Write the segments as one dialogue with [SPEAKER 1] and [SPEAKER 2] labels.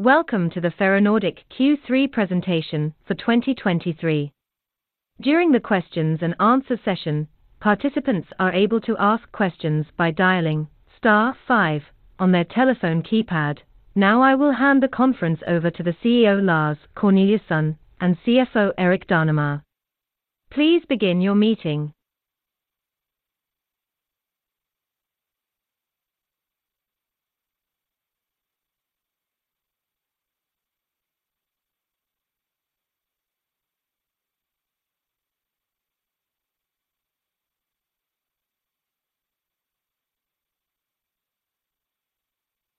[SPEAKER 1] Welcome to the Ferronordic Q3 presentation for 2023. During the questions and answer session, participants are able to ask questions by dialing star five on their telephone keypad. Now, I will hand the conference over to the CEO, Lars Corneliusson, and CFO, Erik Danemar. Please begin your meeting.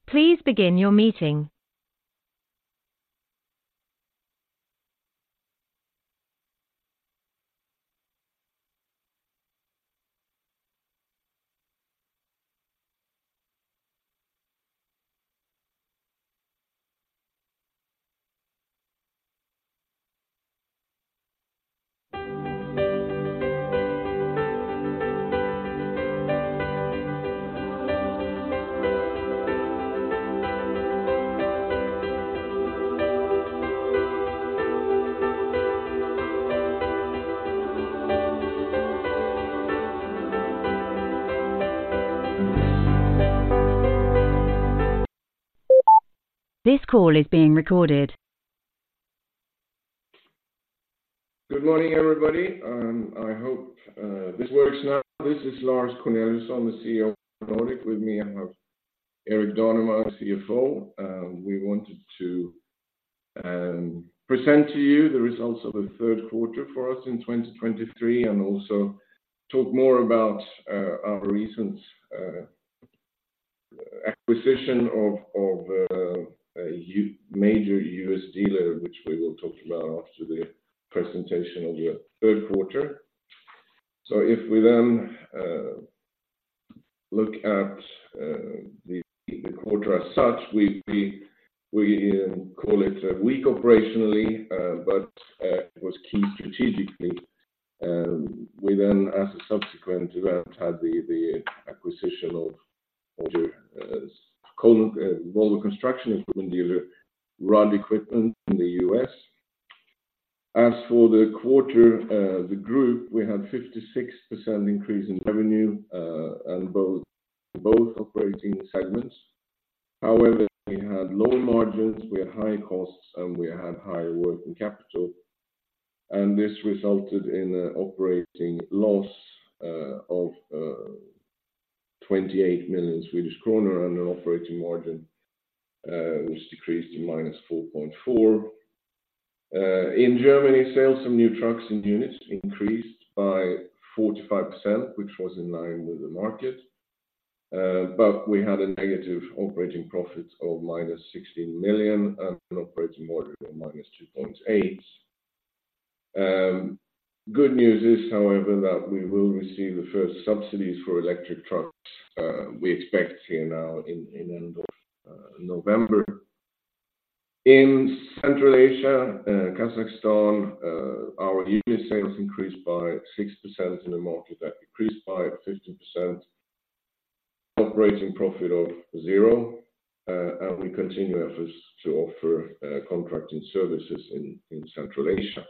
[SPEAKER 1] Please begin your meeting. This call is being recorded.
[SPEAKER 2] Good morning, everybody. I hope this works now. This is Lars Corneliusson, the CEO of Ferronordic. With me, I have Erik Danemar, CFO. We wanted to present to you the results of the third quarter for us in 2023, and also talk more about our recent acquisition of a major US dealer, which we will talk about after the presentation of the third quarter. If we then look at the quarter as such, we call it weak operationally, but it was key strategically. We then, as a subsequent event, had the acquisition of the Volvo Construction Equipment dealer, Rudd Equipment, in the US. As for the quarter, the group, we had 56% increase in revenue, and both operating segments. However, we had low margins, we had high costs, and we had higher working capital, and this resulted in a operating loss of 28 million Swedish kronor and an operating margin which decreased to -4.4%. In Germany, sales of new trucks and units increased by 45%, which was in line with the market. But we had a negative operating profit of -16 million and an operating margin of -2.8%. Good news is, however, that we will receive the first subsidies for electric trucks. We expect here now in end of November. In Central Asia, Kazakhstan, our unit sales increased by 6% in a market that decreased by 15%. Operating profit of 0 and we continue our efforts to offer contracting services in Central Asia.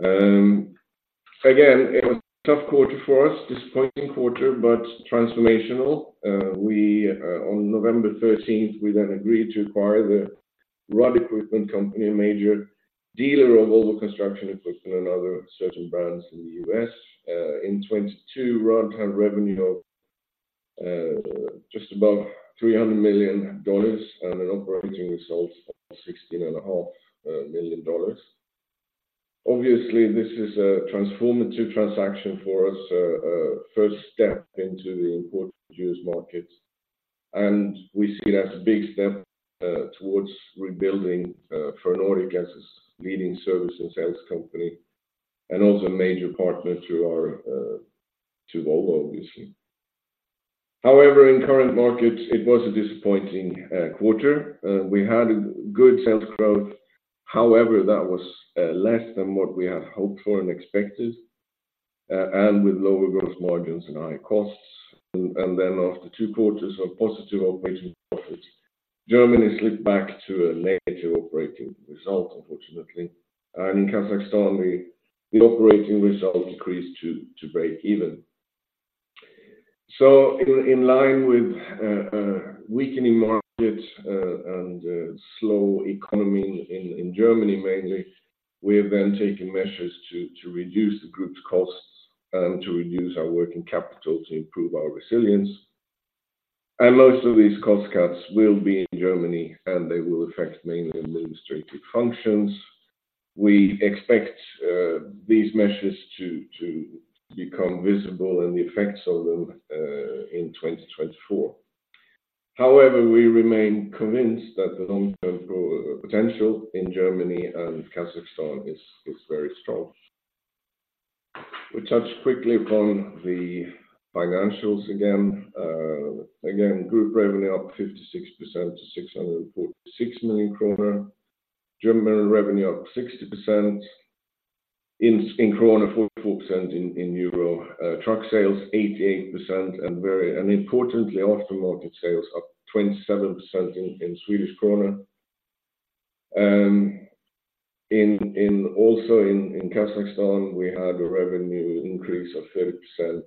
[SPEAKER 2] Again, it was a tough quarter for us, disappointing quarter, but transformational. We, on November thirteenth, we then agreed to acquire the Rudd Equipment Company, a major dealer of Volvo construction equipment and other certain brands in the US. In 2022, Rudd had revenue of just above $300 million and an operating result of $16.5 million. Obviously, this is a transformative transaction for us, first step into the important US market, and we see it as a big step towards rebuilding Ferronordic as a leading service and sales company, and also a major partner to our to Volvo, obviously. However, in current markets, it was a disappointing quarter. We had good sales growth, however, that was less than what we had hoped for and expected, and with lower growth margins and higher costs. Then after 2 quarters of positive operating profits, Germany slipped back to a negative operating result, unfortunately. In Kazakhstan, the operating result decreased to break even. So in line with weakening markets and slow economy in Germany, mainly, we have then taken measures to reduce the group's costs and to reduce our working capital to improve our resilience. Most of these cost cuts will be in Germany, and they will affect mainly administrative functions. We expect these measures to become visible and the effects of them in 2024. However, we remain convinced that the long-term potential in Germany and Kazakhstan is very strong. We touch quickly upon the financials again. Again, group revenue up 56% to 646 million kronor. German revenue up 60% in krona, 44% in euro. Truck sales, 88% and very, and importantly, aftermarket sales up 27% in Swedish krona. In also in Kazakhstan, we had a revenue increase of 30%,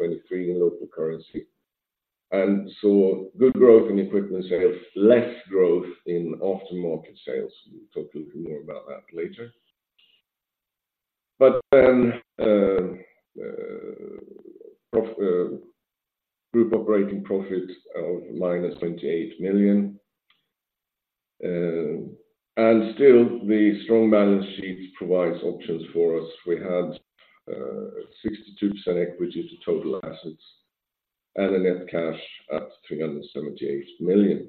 [SPEAKER 2] 23% in local currency. And so good growth in equipment sales, less growth in aftermarket sales. We'll talk a little more about that later. But then, group operating profit of -28 million. And still, the strong balance sheet provides options for us. We had, 62% equity to total assets and a net cash at 378 million.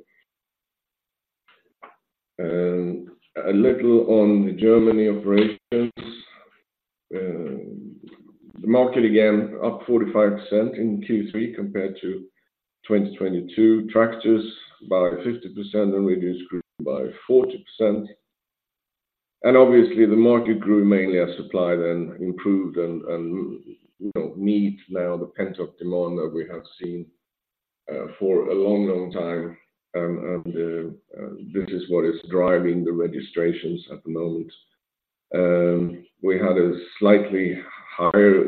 [SPEAKER 2] A little on the German operations. The market again, up 45% in Q3 compared to 2022. Tractors by 50% and rigids grew by 40%. Obviously, the market grew mainly as supply then improved and, and, you know, meet now the pent-up demand that we have seen, for a long, long time, and, and, this is what is driving the registrations at the moment. We had a slightly higher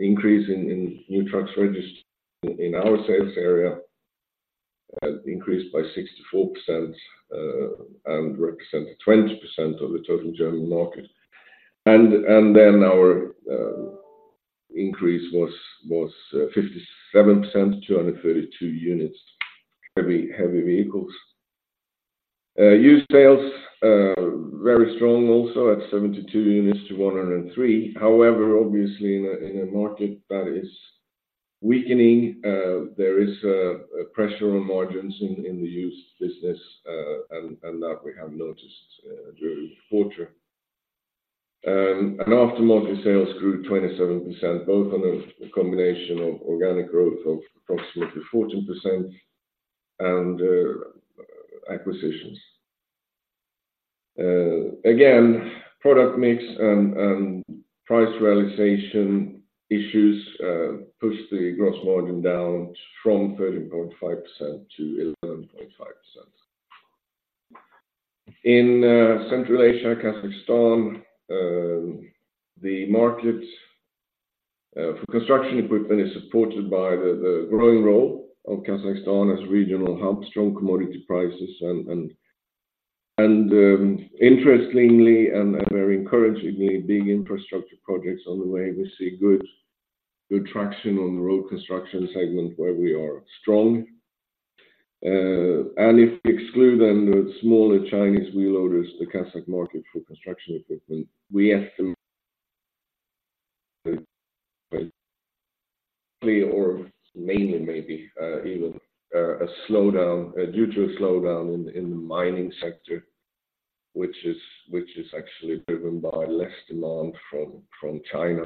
[SPEAKER 2] increase in, in new trucks registered in our sales area, increased by 64%, and represented 20% of the total German market. And, and then our, increase was, was, 57%, 232 units, heavy, heavy vehicles. Used sales, very strong also at 72 units to 103. However, obviously in a market that is weakening, there is a pressure on margins in the used business, and that we have noticed during the quarter. Aftermarket sales grew 27%, both on a combination of organic growth of approximately 14% and acquisitions. Again, product mix and price realization issues pushed the gross margin down from 13.5% to 11.5%. In Central Asia, Kazakhstan, the market for construction equipment is supported by the growing role of Kazakhstan as regional hub, strong commodity prices and, interestingly and very encouragingly, big infrastructure projects on the way. We see good traction on the road construction segment where we are strong. And if we exclude then the smaller Chinese wheel loaders, the Kazakh market for construction equipment, we estimate or mainly maybe, even, a slowdown, due to a slowdown in the mining sector, which is actually driven by less demand from China.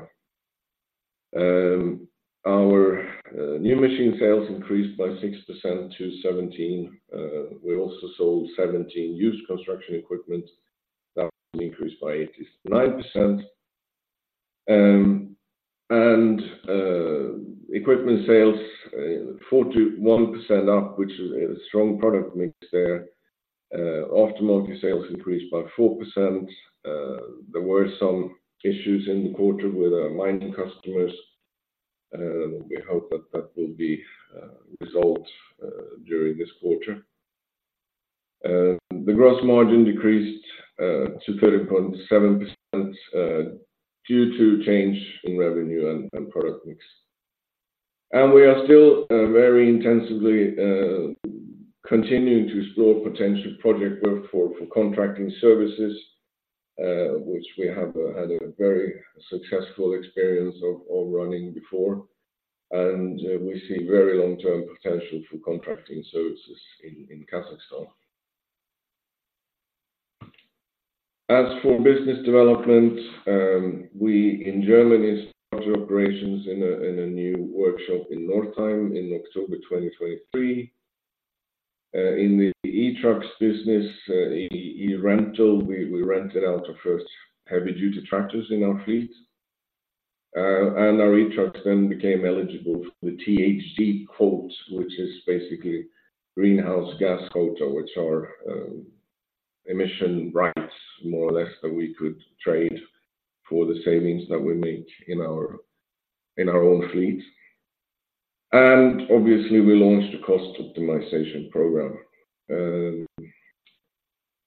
[SPEAKER 2] Our new machine sales increased by 6% to 17. We also sold 17 used construction equipment that increased by 89%. And equipment sales, 41% up, which is a strong product mix there. Aftermarket sales increased by 4%. There were some issues in the quarter with our mining customers, we hope that that will be resolved during this quarter. The gross margin decreased to 13.7%, due to change in revenue and product mix. We are still very intensively continuing to explore potential project work for contracting services, which we have had a very successful experience of running before, and we see very long-term potential for contracting services in Kazakhstan. As for business development, we in Germany started operations in a new workshop in Northeim in October 2023. In the E-trucks business, in E-rental, we rented out our first heavy duty tractors in our fleet. And our E-trucks then became eligible for the THG quota, which is basically greenhouse gas quota, which are emission rights, more or less, that we could trade for the savings that we make in our own fleet. And obviously, we launched a cost optimization program.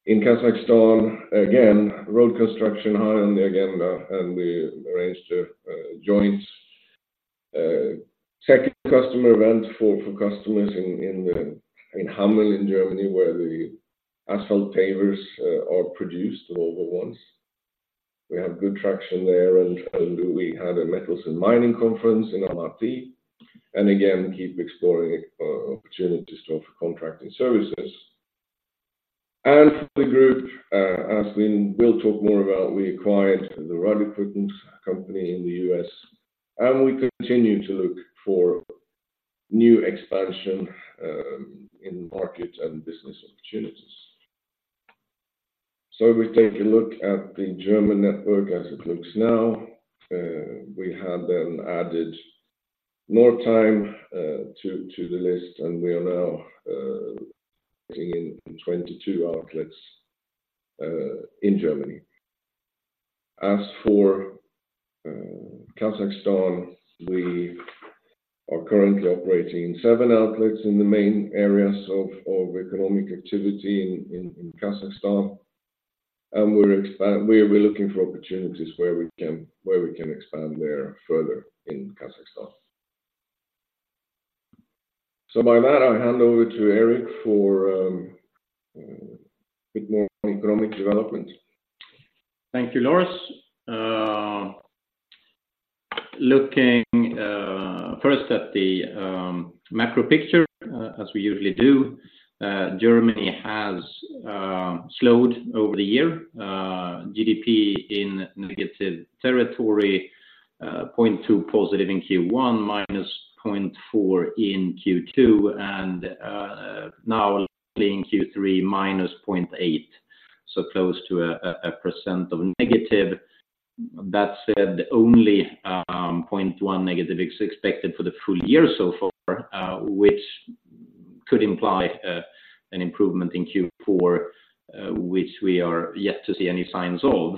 [SPEAKER 2] In Kazakhstan, again, road construction high on the agenda, and we arranged a joint second customer event for customers in Hameln, in Germany, where the asphalt pavers are produced, ABG ones. We have good traction there and we had a metals and mining conference in Almaty, and again, keep exploring opportunities for contracting services. And for the group, as we will talk more about, we acquired the Rudd Equipment Company in the U.S., and we continue to look for new expansion in market and business opportunities. So if we take a look at the German network as it looks now, we have then added Northeim to the list, and we are now looking in 22 outlets in Germany. As for Kazakhstan, we are currently operating seven outlets in the main areas of economic activity in Kazakhstan, and we are looking for opportunities where we can expand there further in Kazakhstan. So by that, I hand over to Erik for a bit more economic development.
[SPEAKER 3] Thank you, Lars. Looking first at the macro picture, as we usually do, Germany has slowed over the year. GDP in negative territory, +0.2% in Q1, -0.4% in Q2, and now likely in Q3, -0.8%, so close to -1%. That said, only -0.1% is expected for the full year so far, which could imply an improvement in Q4, which we are yet to see any signs of.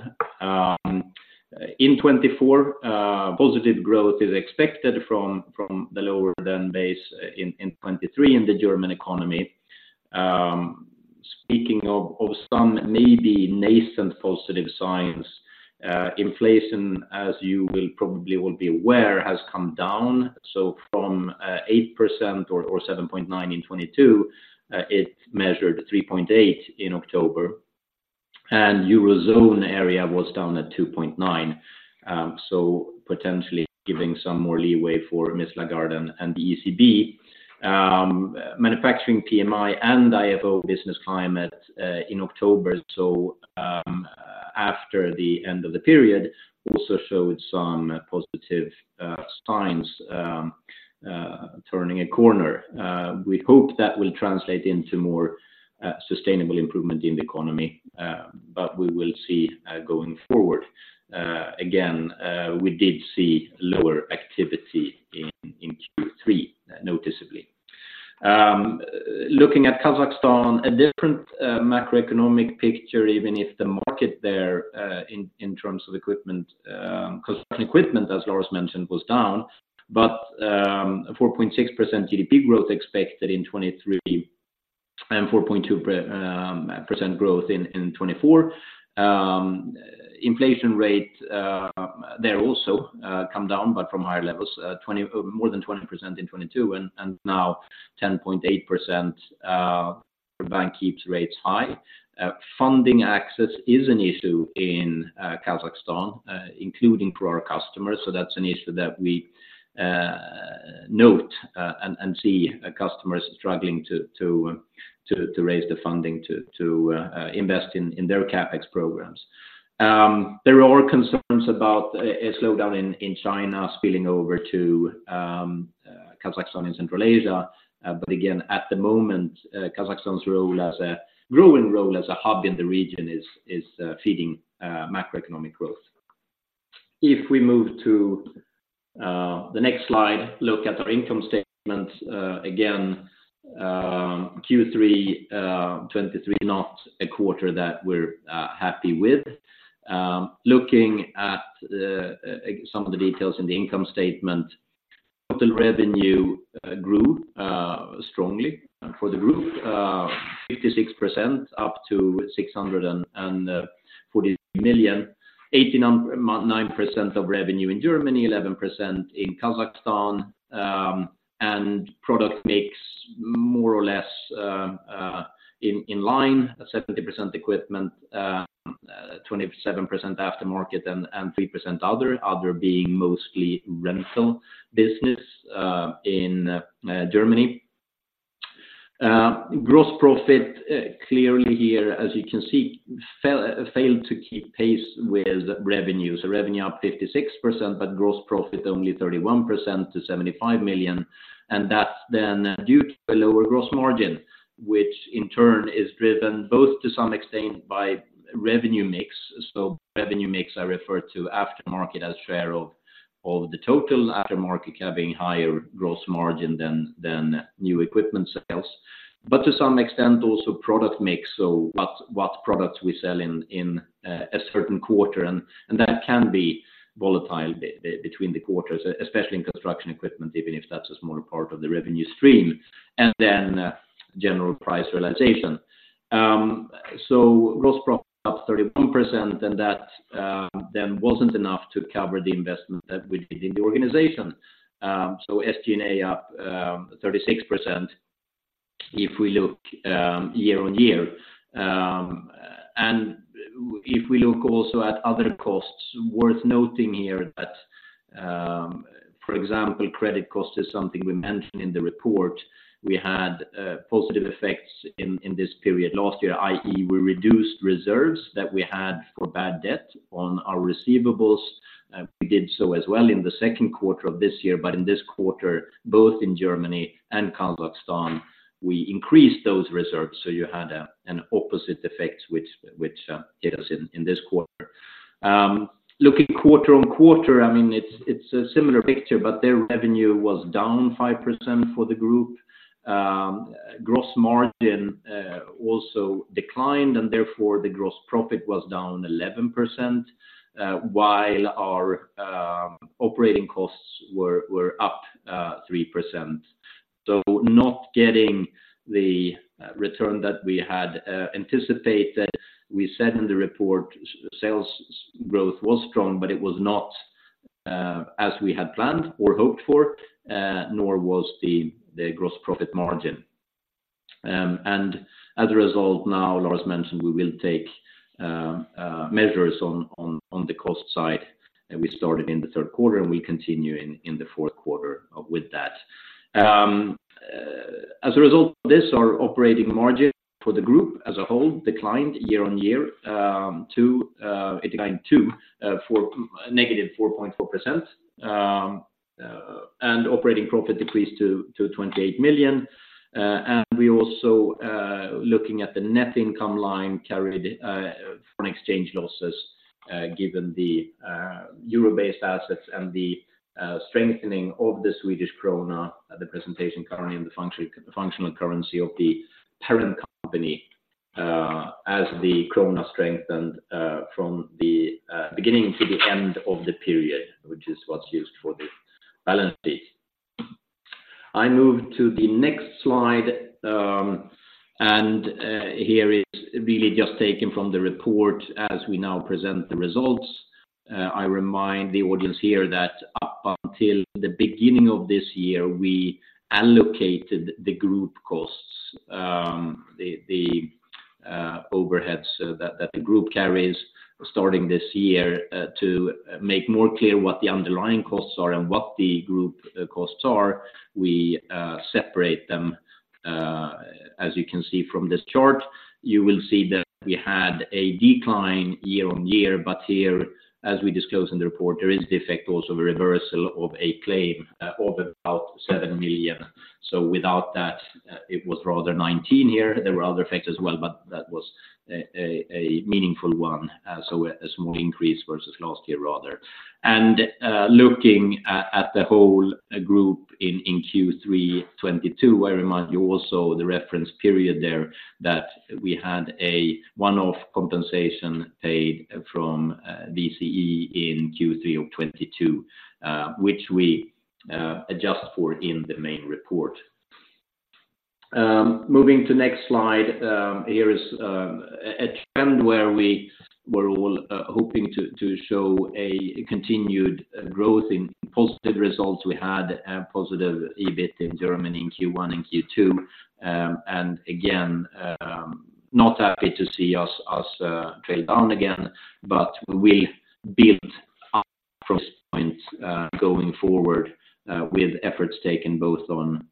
[SPEAKER 3] In 2024, positive growth is expected from the lower than base in 2023 in the German economy. Speaking of some maybe nascent positive signs, inflation, as you will probably be aware, has come down. So from 8% or 7.9 in 2022, it measured 3.8 in October, and eurozone area was down at 2.9. Potentially giving some more leeway for Miss Lagarde and the ECB. Manufacturing PMI and IFO Business Climate in October, so after the end of the period, also showed some positive signs, turning a corner. We hope that will translate into more sustainable improvement in the economy, but we will see going forward. Again, we did see lower activity in Q3, noticeably. Looking at Kazakhstan, a different macroeconomic picture, even if the market there, in terms of equipment, construction equipment, as Lars mentioned, was down, but 4.6% GDP growth expected in 2023, and 4.2% growth in 2024. Inflation rate there also come down, but from higher levels, more than 20% in 2022, and now 10.8%, the bank keeps rates high. Funding access is an issue in Kazakhstan, including for our customers. So that's an issue that we note, and see customers struggling to raise the funding to invest in their CapEx programs. There are concerns about a slowdown in China spilling over to Kazakhstan in Central Asia. But again, at the moment, Kazakhstan's growing role as a hub in the region is feeding macroeconomic growth. If we move to the next slide, look at our income statement. Again, Q3 2023, not a quarter that we're happy with. Looking at some of the details in the income statement, total revenue grew strongly for the group, 56% up to 640 million, 89% of revenue in Germany, 11% in Kazakhstan. And product mix more or less in line, 70% equipment, 27% aftermarket and 3% other, other being mostly rental business in Germany. Gross profit clearly here, as you can see, failed to keep pace with revenues. Revenue up 56%, but gross profit only 31% to 75 million. And that's then due to a lower gross margin, which in turn is driven both to some extent by revenue mix. So revenue mix, I refer to aftermarket as share of the total aftermarket having higher gross margin than new equipment sales, but to some extent also product mix. So what products we sell in a certain quarter, and that can be volatile between the quarters, especially in construction equipment, even if that's a smaller part of the revenue stream, and then general price realization. So gross profit up 31%, and that then wasn't enough to cover the investment that we did in the organization. So SG&A up 36% if we look year-on-year. And-... If we look also at other costs, worth noting here that, for example, credit cost is something we mentioned in the report. We had positive effects in this period last year, i.e., we reduced reserves that we had for bad debt on our receivables. We did so as well in the second quarter of this year, but in this quarter, both in Germany and Kazakhstan, we increased those reserves, so you had an opposite effect, which hit us in this quarter. Looking quarter-on-quarter, I mean, it's a similar picture, but their revenue was down 5% for the group. Gross margin also declined, and therefore, the gross profit was down 11%, while our operating costs were up 3%. So not getting the return that we had anticipated. We said in the report, sales growth was strong, but it was not as we had planned or hoped for, nor was the gross profit margin. And as a result, now, Lars mentioned, we will take measures on the cost side, and we started in the third quarter, and we continue in the fourth quarter with that. As a result of this, our operating margin for the group as a whole declined year-on-year to -4.4%. And operating profit decreased to 28 million. And we also, looking at the net income line, carried foreign exchange losses, given the euro-based assets and the strengthening of the Swedish krona, the presentation currency and the functional currency of the parent company, as the krona strengthened, from the beginning to the end of the period, which is what's used for the balance sheet. I move to the next slide, and here is really just taken from the report as we now present the results. I remind the audience here that up until the beginning of this year, we allocated the group costs, the overheads so that the group carries starting this year, to make more clear what the underlying costs are and what the group costs are, we separate them, as you can see from this chart. You will see that we had a decline year-on-year, but here, as we disclose in the report, there is the effect also of a reversal of a claim of about 7 million. So without that, it was rather 19 million here. There were other effects as well, but that was a meaningful one, so a small increase versus last year, rather. And looking at the whole group in Q3 2022, I remind you also the reference period there, that we had a one-off compensation paid from VCE in Q3 of 2022, which we adjust for in the main report. Moving to next slide, here is a trend where we were all hoping to show a continued growth in positive results. We had a positive EBIT in Germany in Q1 and Q2. And again, not happy to see us trail down again, but we build up from this point going forward with efforts taken both on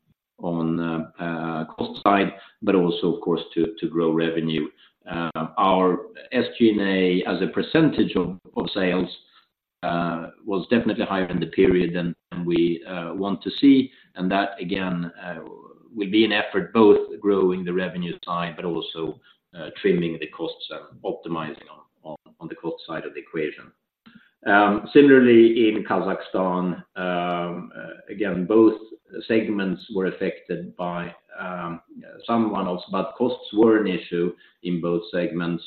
[SPEAKER 3] cost side, but also, of course, to grow revenue. Our SG&A, as a percentage of sales, was definitely higher in the period than we want to see, and that again will be an effort both growing the revenue side, but also trimming the costs and optimizing on the cost side of the equation. Similarly, in Kazakhstan, again, both segments were affected by some one-offs, but costs were an issue in both segments.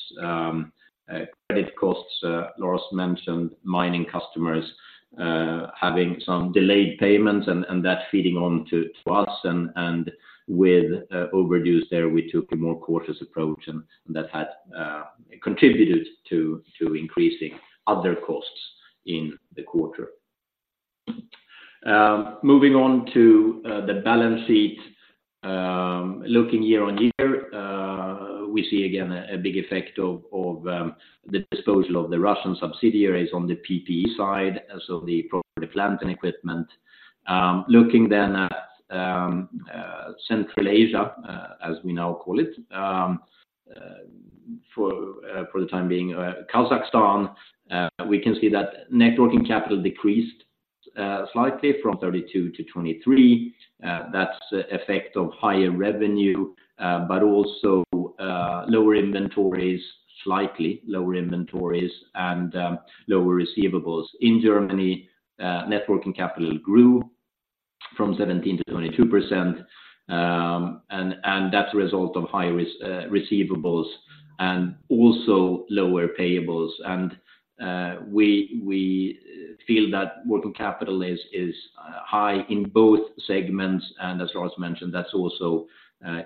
[SPEAKER 3] Credit costs, Lars mentioned mining customers having some delayed payments and that feeding on to us, and with overdues there, we took a more cautious approach, and that had contributed to increasing other costs in the quarter. Moving on to the balance sheet. Looking year-on-year, we see again a big effect of the disposal of the Russian subsidiaries on the PPE side, and so the property, plant, and equipment. Looking then at Central Asia, as we now call it, for the time being, Kazakhstan, we can see that net working capital decreased slightly from 32 to 23. That's the effect of higher revenue, but also lower inventories, slightly lower inventories and lower receivables. In Germany, net working capital grew from 17%-22%, and that's a result of higher receivables and also lower payables. We feel that working capital is high in both segments, and as Lars mentioned, that's also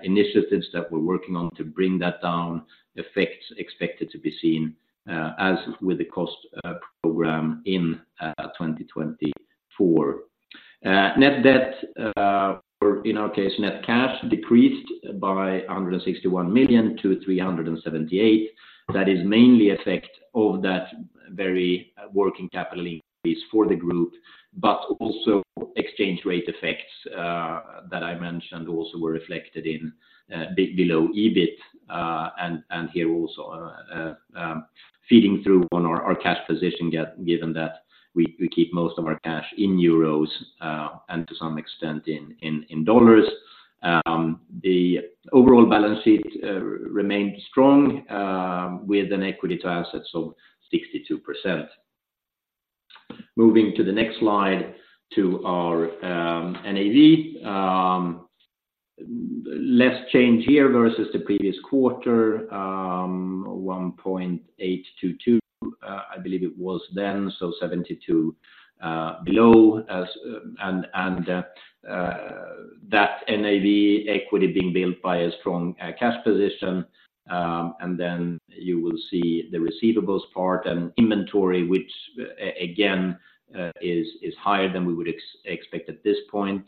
[SPEAKER 3] initiatives that we're working on to bring that down, effects expected to be seen as with the cost program in 2024. Net debt, or in our case, net cash, decreased by 161 million to 378 million. That is mainly effect of that very working capital increase for the group, but also exchange rate effects that I mentioned also were reflected in below EBIT, and here also feeding through on our cash position, given that we keep most of our cash in euros, and to some extent in dollars. The overall balance sheet remained strong with an equity to assets of 62%. Moving to the next slide, to our NAV. Less change here versus the previous quarter, 1.822, I believe it was then, so 72 below as- and that NAV equity being built by a strong cash position. And then you will see the receivables part and inventory, which, again, is higher than we would expect at this point,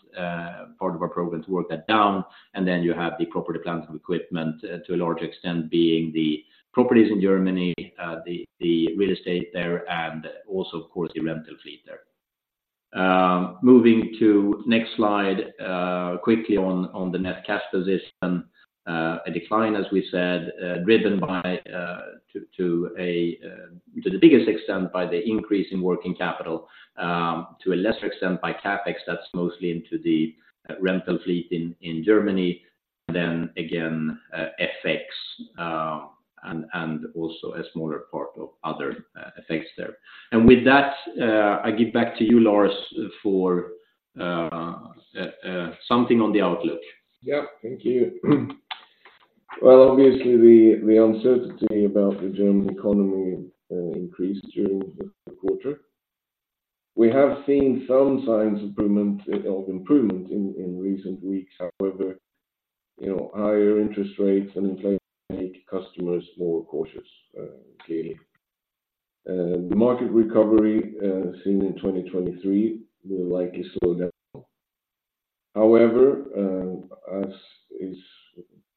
[SPEAKER 3] part of our program to work that down. And then you have the property, plant and equipment, to a large extent being the properties in Germany, the real estate there, and also, of course, the rental fleet there. Moving to next slide, quickly on the net cash position. A decline, as we said, driven by, to the biggest extent by the increase in working capital, to a lesser extent by CapEx, that's mostly into the rental fleet in Germany, then again, FX, and also a smaller part of other effects there. With that, I give back to you, Lars, for something on the outlook.
[SPEAKER 2] Yeah, thank you. Well, obviously, the uncertainty about the German economy increased during the quarter. We have seen some signs of improvement in recent weeks. However, you know, higher interest rates and inflation make customers more cautious, clearly. The market recovery seen in 2023 will likely slow down. However, as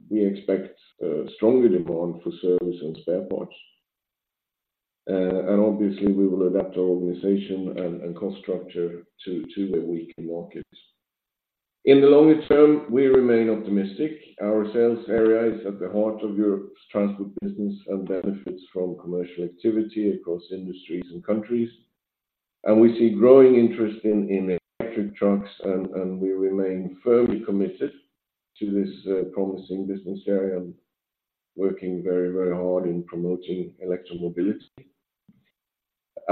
[SPEAKER 2] we expect, strong demand for service and spare parts. And obviously, we will adapt our organization and cost structure to a weaker market. In the longer term, we remain optimistic. Our sales area is at the heart of Europe's transport business and benefits from commercial activity across industries and countries, and we see growing interest in electric trucks, and we remain firmly committed to this promising business area and working very, very hard in promoting electro mobility.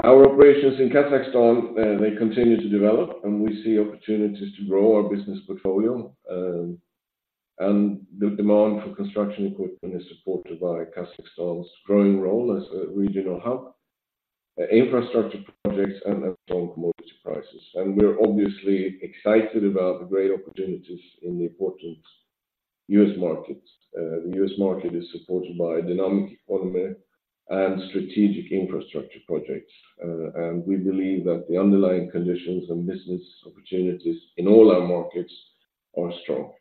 [SPEAKER 2] Our operations in Kazakhstan, they continue to develop, and we see opportunities to grow our business portfolio. The demand for construction equipment is supported by Kazakhstan's growing role as a regional hub, infrastructure projects and commodity prices. We're obviously excited about the great opportunities in the important U.S. market. The U.S. market is supported by a dynamic economy and strategic infrastructure projects, and we believe that the underlying conditions and business opportunities in all our markets are strong.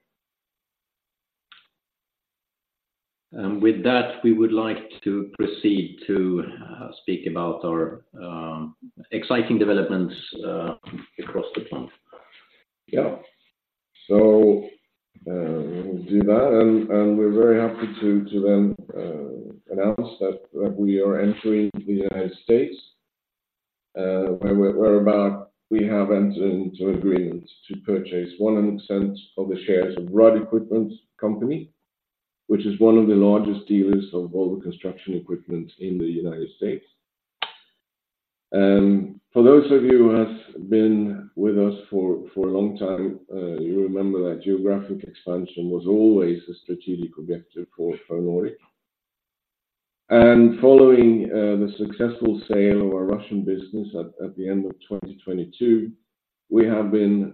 [SPEAKER 3] With that, we would like to proceed to speak about our exciting developments across the plant.
[SPEAKER 2] Yeah. So, we'll do that, and we're very happy to then announce that we are entering the United States, where we have entered into agreement to purchase 100% of the shares of Rudd Equipment Company, which is one of the largest dealers of all the construction equipment in the United States. And for those of you who have been with us for a long time, you remember that geographic expansion was always a strategic objective for Ferronordic. And following the successful sale of our Russian business at the end of 2022, we have been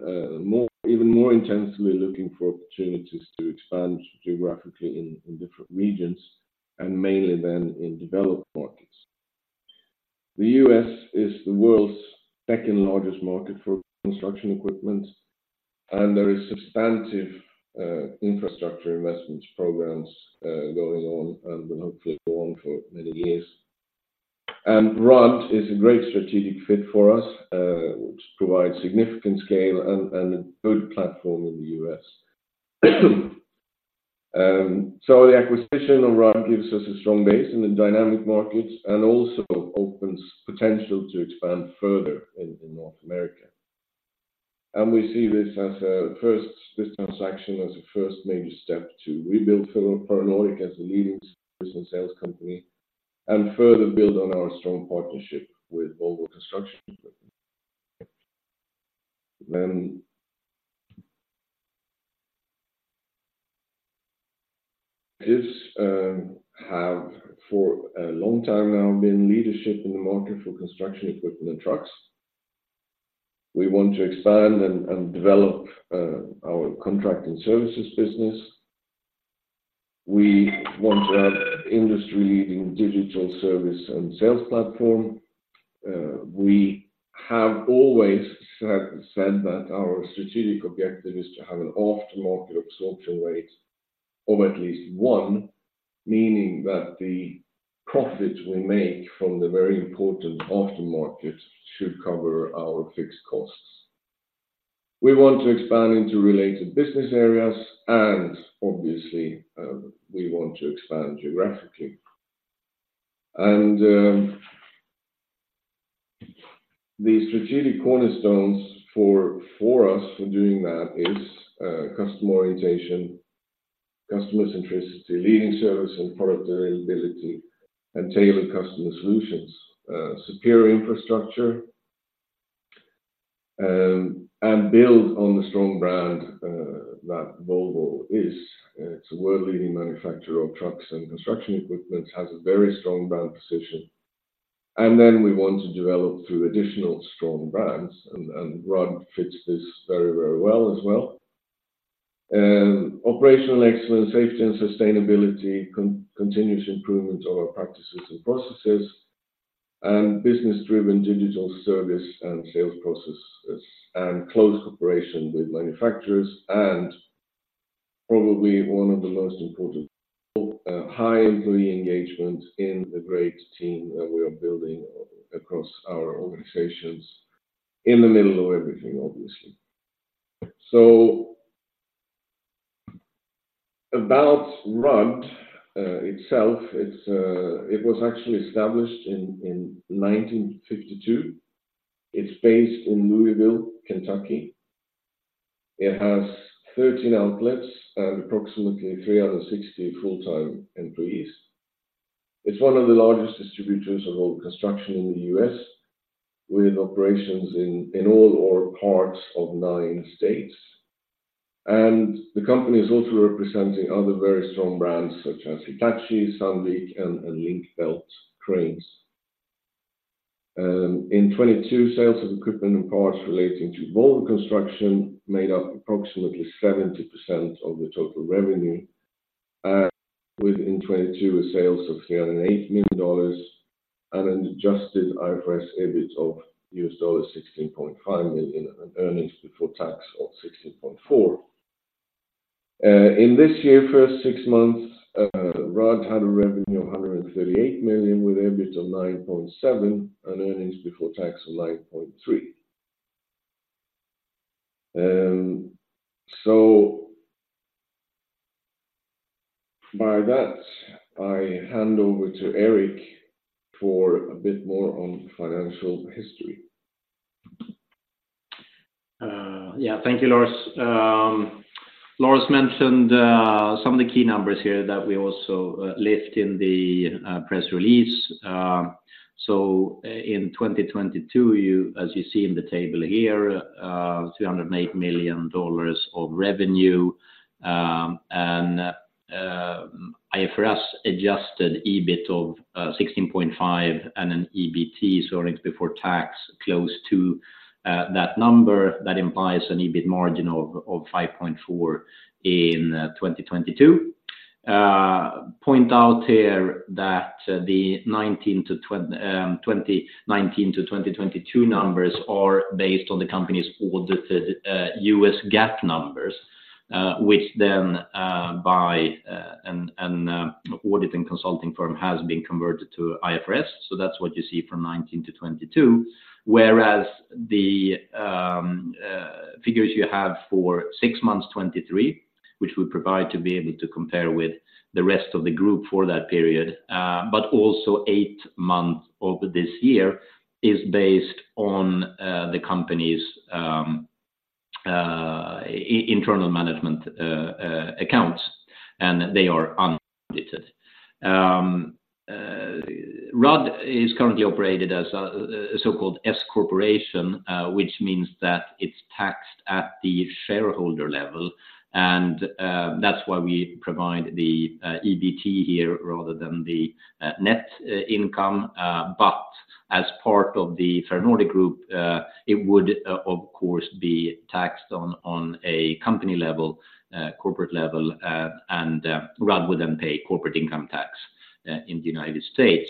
[SPEAKER 2] even more intensely looking for opportunities to expand geographically in different regions and mainly then in developed markets. The U.S. is the world's second largest market for construction equipment, and there is substantial infrastructure investment programs going on and will hopefully go on for many years. Rudd is a great strategic fit for us, which provides significant scale and a good platform in the U.S. So the acquisition of Rudd gives us a strong base in the dynamic markets and also opens potential to expand further in North America. We see this as a first, this transaction as a first major step to rebuild Ferronordic as a leading business sales company and further build on our strong partnership with Volvo Construction Equipment. Then we have for a long time now been leadership in the market for construction equipment and trucks. We want to expand and develop our contracting services business. We want to have industry-leading digital service and sales platform. We have always said that our strategic objective is to have an aftermarket absorption rate of at least one, meaning that the profit we make from the very important aftermarket should cover our fixed costs. We want to expand into related business areas, and obviously, we want to expand geographically. The strategic cornerstones for us for doing that is customer orientation, customer centricity, leading service and product availability, and tailored customer solutions, superior infrastructure, and build on the strong brand that Volvo is. It's a world-leading manufacturer of trucks and construction equipment, has a very strong brand position, and then we want to develop through additional strong brands, and Rudd fits this very, very well as well. Operational excellence, safety, and sustainability, continuous improvement of our practices and processes, and business-driven digital service and sales processes, and close cooperation with manufacturers, and probably one of the most important, high employee engagement in the great team that we are building across our organizations in the middle of everything, obviously. So about Rudd itself, it's, it was actually established in 1952. It's based in Louisville, Kentucky. It has 13 outlets and approximately 360 full-time employees. It's one of the largest distributors of road construction in the U.S., with operations in all or parts of 9 states. And the company is also representing other very strong brands such as Hitachi, Sandvik, and Link-Belt Cranes. In 2022, sales of equipment and parts relating to Volvo Construction made up approximately 70% of the total revenue, with in 2022, a sales of $308 million and an adjusted IFRS EBIT of $16.5 million and earnings before tax of $16.4 million. In this year, first six months, Rudd had a revenue of $138 million, with EBIT of $9.7 million and earnings before tax of $9.3 million. So by that, I hand over to Erik for a bit more on financial history.
[SPEAKER 3] Yeah, thank you, Lars. Lars mentioned some of the key numbers here that we also left in the press release. So in 2022, as you see in the table here, $208 million of revenue, and IFRS adjusted EBIT of 16.5 and an EBT, so earnings before tax, close to that number. That implies an EBIT margin of 5.4% in 2022. Point out here that the 2019-2022 numbers are based on the company's audited US GAAP numbers, which then by an audit and consulting firm has been converted to IFRS. So that's what you see from 2019 to 2022. Whereas the figures you have for six months, 2023, which we provide to be able to compare with the rest of the group for that period, but also eight months of this year is based on the company's internal management accounts, and they are unaudited. RUD is currently operated as a so-called S corporation, which means that it's taxed at the shareholder level, and that's why we provide the EBT here rather than the net income. But as part of the Ferronordic Group, it would of course be taxed on a company level, corporate level, and RUD would then pay corporate income tax in the United States.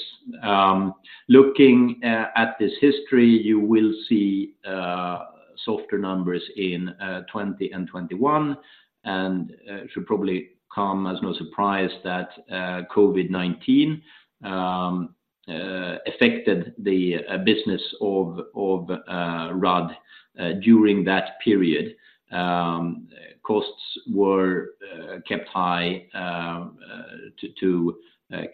[SPEAKER 3] Looking at this history, you will see softer numbers in 2020 and 2021, and it should probably come as no surprise that COVID-19 affected the business of Rudd during that period. Costs were kept high to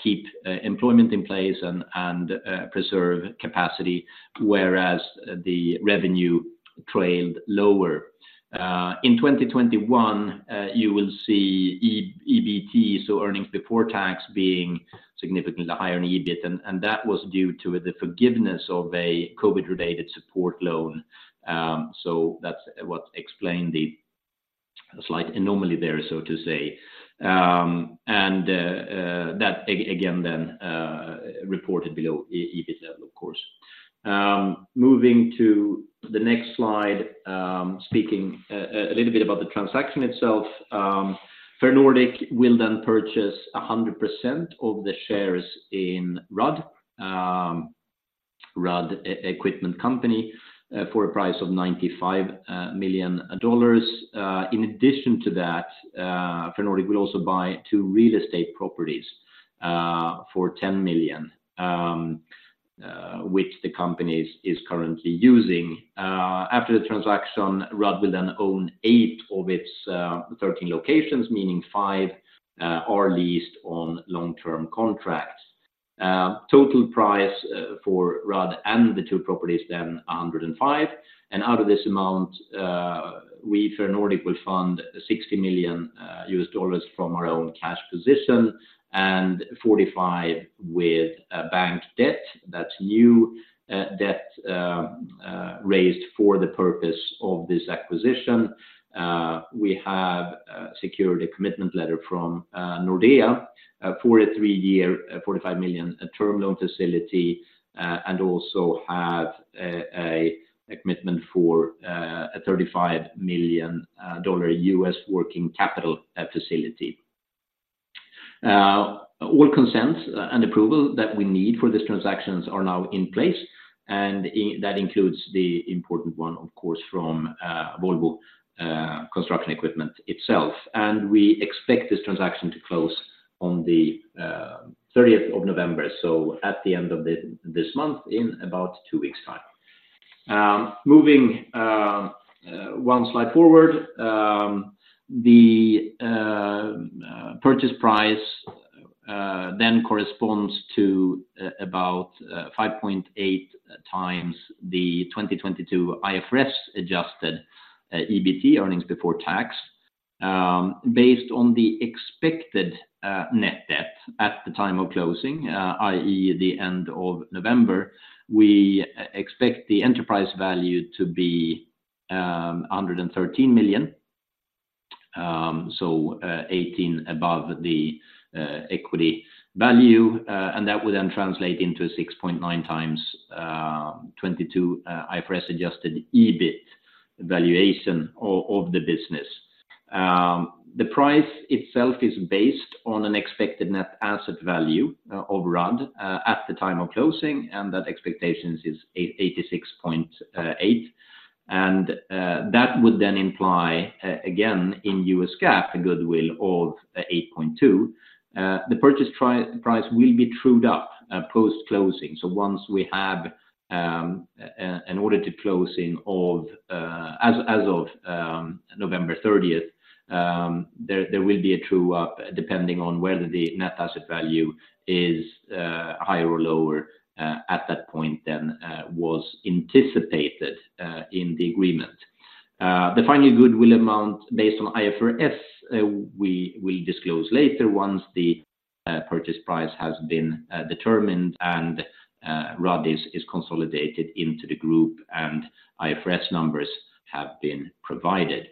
[SPEAKER 3] keep employment in place and preserve capacity, whereas the revenue trailed lower. In 2021, you will see EBT, so earnings before tax, being significantly higher than EBIT, and that was due to the forgiveness of a COVID-related support loan. So that's what explained the slight anomaly there, so to say. And that again, then, reported below EBIT level, of course. Moving to the next slide, speaking a little bit about the transaction itself. Ferronordic will then purchase 100% of the shares in Rudd Equipment Company for a price of $95 million. In addition to that, Ferronordic will also buy two real estate properties for $10 million, which the company is currently using. After the transaction, Rudd will then own eight of its 13 locations, meaning five are leased on long-term contracts. Total price for Rudd and the two properties, then $105 million. Out of this amount, we, Ferronordic, will fund $60 million from our own cash position, and $45 million with bank debt. That's new debt raised for the purpose of this acquisition. We have secured a commitment letter from Nordea for a three-year $45 million term loan facility, and also have a commitment for a $35 million US working capital facility. All consents and approval that we need for this transactions are now in place, and that includes the important one, of course, from Volvo Construction Equipment itself. We expect this transaction to close on the thirtieth of November, so at the end of this month, in about two weeks time. Moving one slide forward. The purchase price then corresponds to about 5.8x the 2022 IFRS-adjusted EBT, earnings before tax. Based on the expected net debt at the time of closing, i.e., the end of November, we expect the enterprise value to be $113 million. So, $18 million above the equity value, and that will then translate into a 6.9x 2022 IFRS-adjusted EBIT valuation of the business. The price itself is based on an expected net asset value of Rudd at the time of closing, and that expectation is $86.8 million. That would then imply, again, in US GAAP, a goodwill of $8.2 million. The purchase price will be trued up post-closing. So once we have an order to close in of as of November thirtieth, there will be a true up, depending on whether the net asset value is higher or lower at that point than was anticipated in the agreement. The final goodwill amount, based on IFRS, we disclose later, once the purchase price has been determined and Rudd is consolidated into the group, and IFRS numbers have been provided.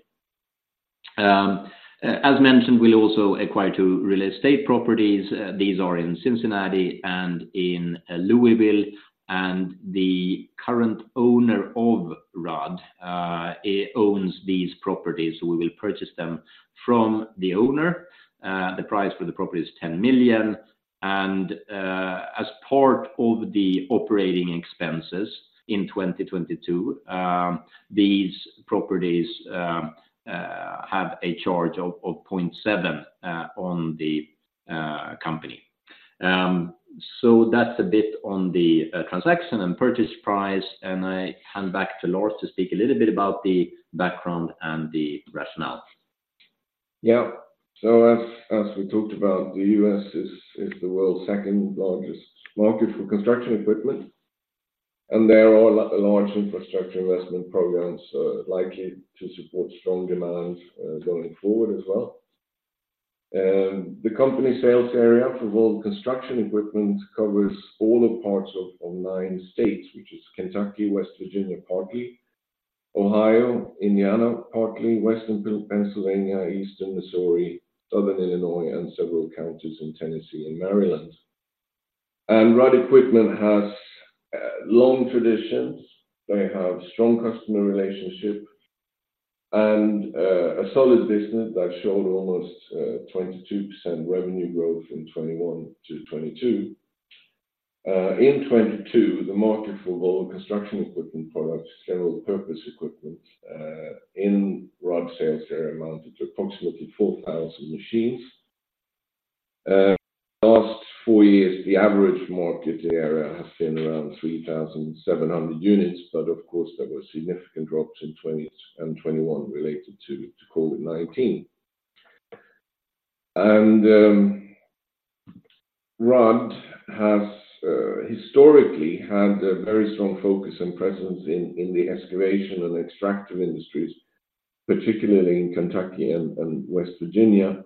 [SPEAKER 3] As mentioned, we'll also acquire two real estate properties. These are in Cincinnati and in Louisville, and the current owner of Rudd owns these properties. We will purchase them from the owner. The price for the property is $10 million, and as part of the operating expenses in 2022, these properties have a charge of 0.7 on the company. So that's a bit on the transaction and purchase price, and I hand back to Lars to speak a little bit about the background and the rationale.
[SPEAKER 2] Yeah. So as we talked about, the U.S. is the world's second largest market for construction equipment, and there are large infrastructure investment programs likely to support strong demand going forward as well. The company sales area for Volvo Construction Equipment covers all the parts of nine states, which is Kentucky, West Virginia, partly Ohio, Indiana, partly Western Pennsylvania, Eastern Missouri, Southern Illinois, and several counties in Tennessee and Maryland. Rudd Equipment has long traditions. They have strong customer relationship and a solid business that showed almost 22% revenue growth from 2021 to 2022. In 2022, the market for volume construction equipment products, several purpose equipments in Rudd sales area amounted to approximately 4,000 machines. Last four years, the average market area has been around 3,700 units, but of course, there were significant drops in 2020 and 2021 related to COVID-19. Rudd has historically had a very strong focus and presence in the excavation and extractive industries, particularly in Kentucky and West Virginia.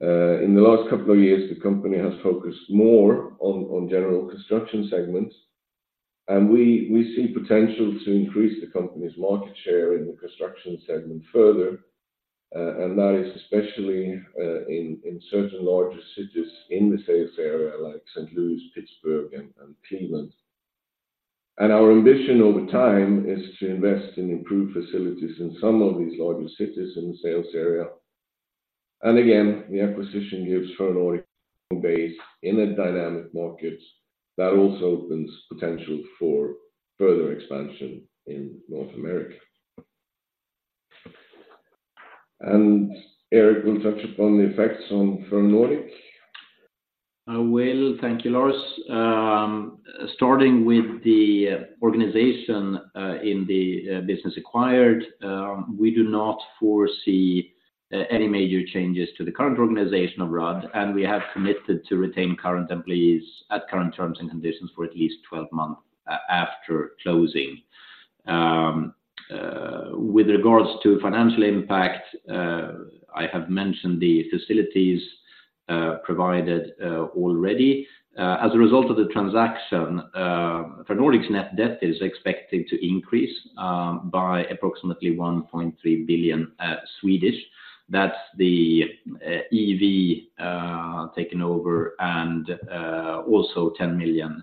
[SPEAKER 2] In the last couple of years, the company has focused more on general construction segments, and we see potential to increase the company's market share in the construction segment further, and that is especially in certain larger cities in the sales area like St. Louis, Pittsburgh, and Cleveland. Our ambition over time is to invest in improved facilities in some of these larger cities in the sales area. And again, the acquisition gives Ferronordic base in a dynamic market that also opens potential for further expansion in North America. And Erik will touch upon the effects on Ferronordic.
[SPEAKER 3] I will. Thank you, Lars. Starting with the organization in the business acquired, we do not foresee any major changes to the current organization of Rudd, and we have committed to retain current employees at current terms and conditions for at least 12 months after closing. With regards to financial impact, I have mentioned the facilities provided already. As a result of the transaction, Ferronordic's net debt is expected to increase by approximately 1.3 billion. That's the EV taken over and also 10 million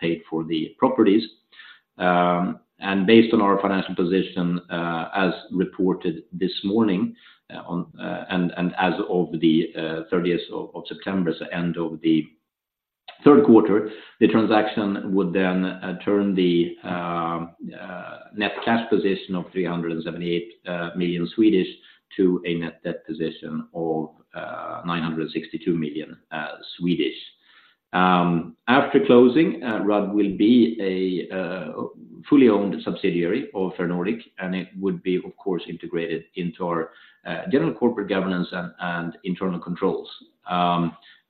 [SPEAKER 3] paid for the properties. And based on our financial position as reported this morning on... As of the thirtieth of September, as the end of the third quarter, the transaction would then turn the net cash position of 378 million to a net debt position of 962 million. After closing, RUD will be a fully owned subsidiary of Ferronordic, and it would be, of course, integrated into our general corporate governance and internal controls.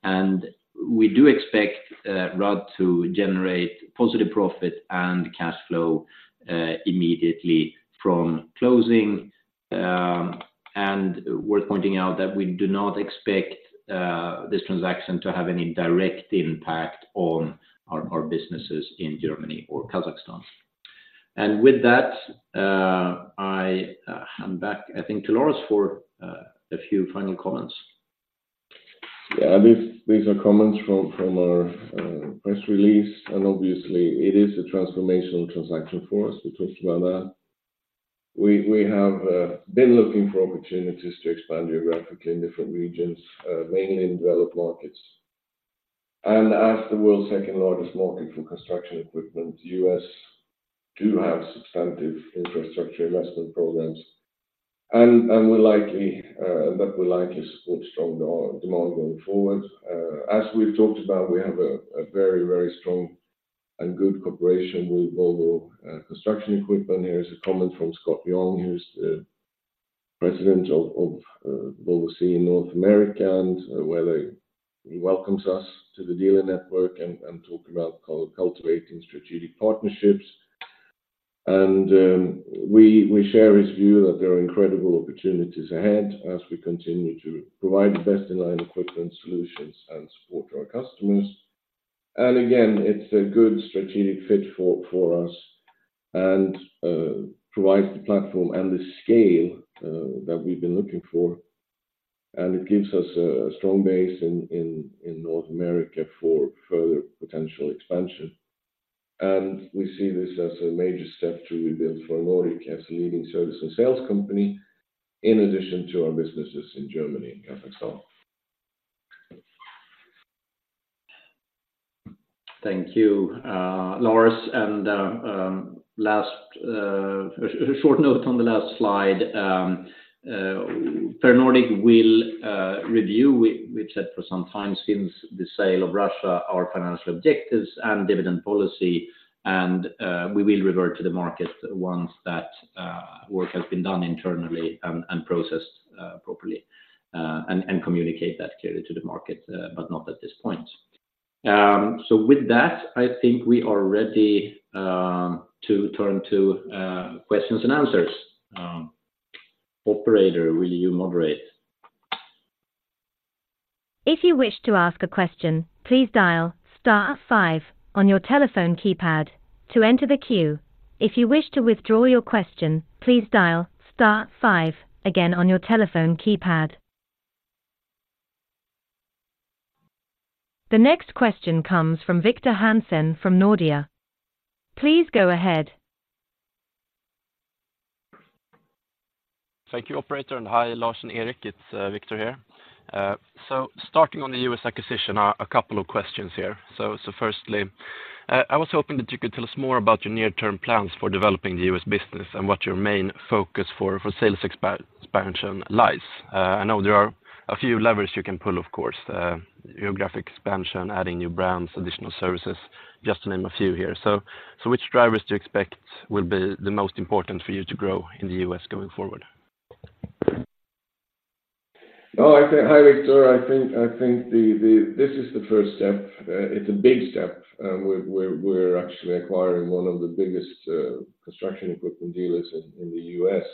[SPEAKER 3] And we do expect RUD to generate positive profit and cash flow immediately from closing. And worth pointing out that we do not expect this transaction to have any direct impact on our businesses in Germany or Kazakhstan. With that, I hand back, I think, to Lars for a few final comments.
[SPEAKER 2] Yeah, these are comments from our press release, and obviously it is a transformational transaction for us. We talked about that. We have been looking for opportunities to expand geographically in different regions, mainly in developed markets. And as the world's second largest market for construction equipment, the US does have substantive infrastructure investment programs, and will likely that will likely support strong demand going forward. As we've talked about, we have a very, very strong and good cooperation with Volvo Construction Equipment. Here is a comment from Scott Young, who's the President of Volvo CE in North America, and he welcomes us to the dealer network and talk about co-cultivating strategic partnerships. We share his view that there are incredible opportunities ahead as we continue to provide best-in-class equipment solutions and support our customers. Again, it's a good strategic fit for us and provides the platform and the scale that we've been looking for, and it gives us a strong base in North America for further potential expansion. We see this as a major step to rebuild Ferronordic as a leading service and sales company, in addition to our businesses in Germany and Kazakhstan.
[SPEAKER 3] Thank you, Lars. And last short note on the last slide. Ferronordic will review, we've said for some time since the sale of Russia, our financial objectives and dividend policy, and we will revert to the market once that work has been done internally and processed properly, and communicate that clearly to the market, but not at this point. So with that, I think we are ready to turn to questions and answers. Operator, will you moderate?
[SPEAKER 1] If you wish to ask a question, please dial star five on your telephone keypad to enter the queue. If you wish to withdraw your question, please dial star five again on your telephone keypad. The next question comes from Victor Hansen from Nordea. Please go ahead.
[SPEAKER 4] Thank you, operator, and hi, Lars and Erik. It's Victor here. So starting on the U.S. acquisition, a couple of questions here. So firstly, I was hoping that you could tell us more about your near-term plans for developing the U.S. business and what your main focus for sales expansion lies. I know there are a few levers you can pull, of course, geographic expansion, adding new brands, additional services, just to name a few here. So which drivers do you expect will be the most important for you to grow in the U.S. going forward?
[SPEAKER 2] Oh, I think... Hi, Victor. I think this is the first step. It's a big step, and we're actually acquiring one of the biggest construction equipment dealers in the U.S.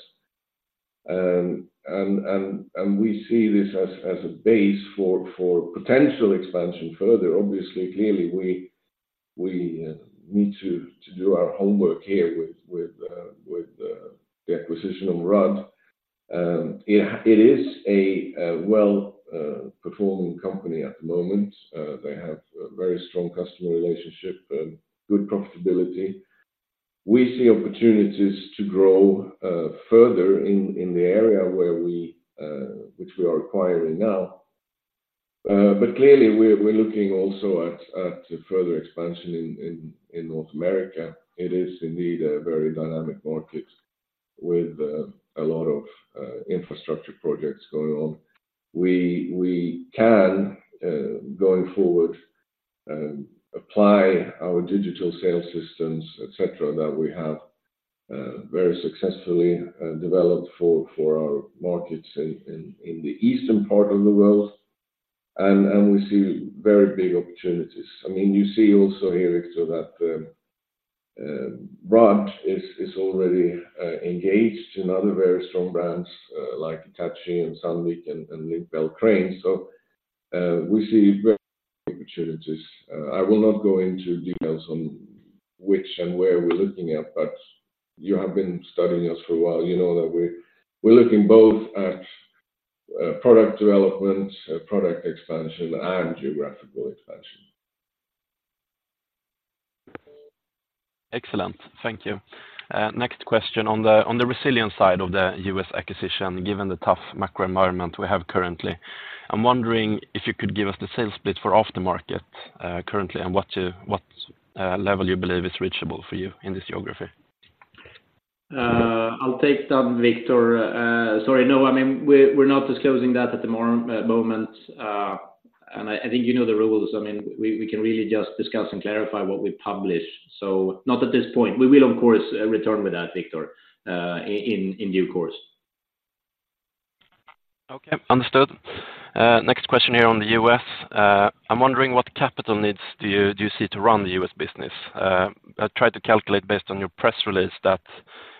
[SPEAKER 2] And we see this as a base for potential expansion further. Obviously, clearly, we need to do our homework here with the acquisition of Rudd. It is a well performing company at the moment. They have a very strong customer relationship and good profitability. We see opportunities to grow further in the area where we which we are acquiring now. But clearly, we're looking also at further expansion in North America. It is indeed a very dynamic market with a lot of infrastructure projects going on. We can going forward apply our digital sales systems, et cetera, that we have very successfully developed for our markets in the eastern part of the world, and we see very big opportunities. I mean, you see also here, so that Rudd is already engaged in other very strong brands like Hitachi and Sandvik and Link-Belt Cranes. So, we see very big opportunities. I will not go into details on which and where we're looking at, but you have been studying us for a while. You know that we're looking both at product development, product expansion, and geographical expansion.
[SPEAKER 4] Excellent. Thank you. Next question. On the resilience side of the US acquisition, given the tough macro environment we have currently, I'm wondering if you could give us the sales split for aftermarket currently, and what level you believe is reachable for you in this geography?
[SPEAKER 3] I'll take that, Victor. Sorry. No, I mean, we're not disclosing that at the moment. And I think you know the rules. I mean, we can really just discuss and clarify what we publish. So not at this point. We will, of course, return with that, Victor, in due course.
[SPEAKER 4] Okay, understood. Next question here on the US. I'm wondering what capital needs do you, do you see to run the US business? I tried to calculate based on your press release that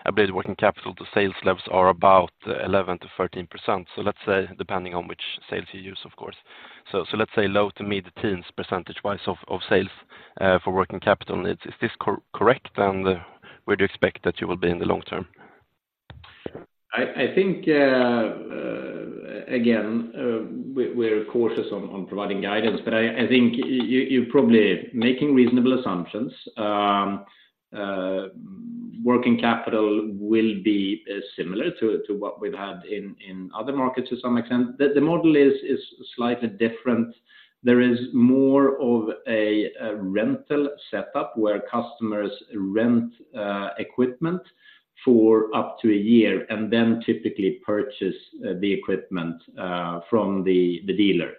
[SPEAKER 4] I believe working capital to sales levels are about 11%-13%. So let's say, depending on which sales you use, of course. So, so let's say low to mid-teens percentage-wise of, of sales for working capital needs. Is this correct? And where do you expect that you will be in the long term?
[SPEAKER 3] I think again we're cautious on providing guidance, but I think you're probably making reasonable assumptions. Working capital will be similar to what we've had in other markets to some extent. The model is slightly different. There is more of a rental setup where customers rent equipment for up to a year and then typically purchase the equipment from the dealer.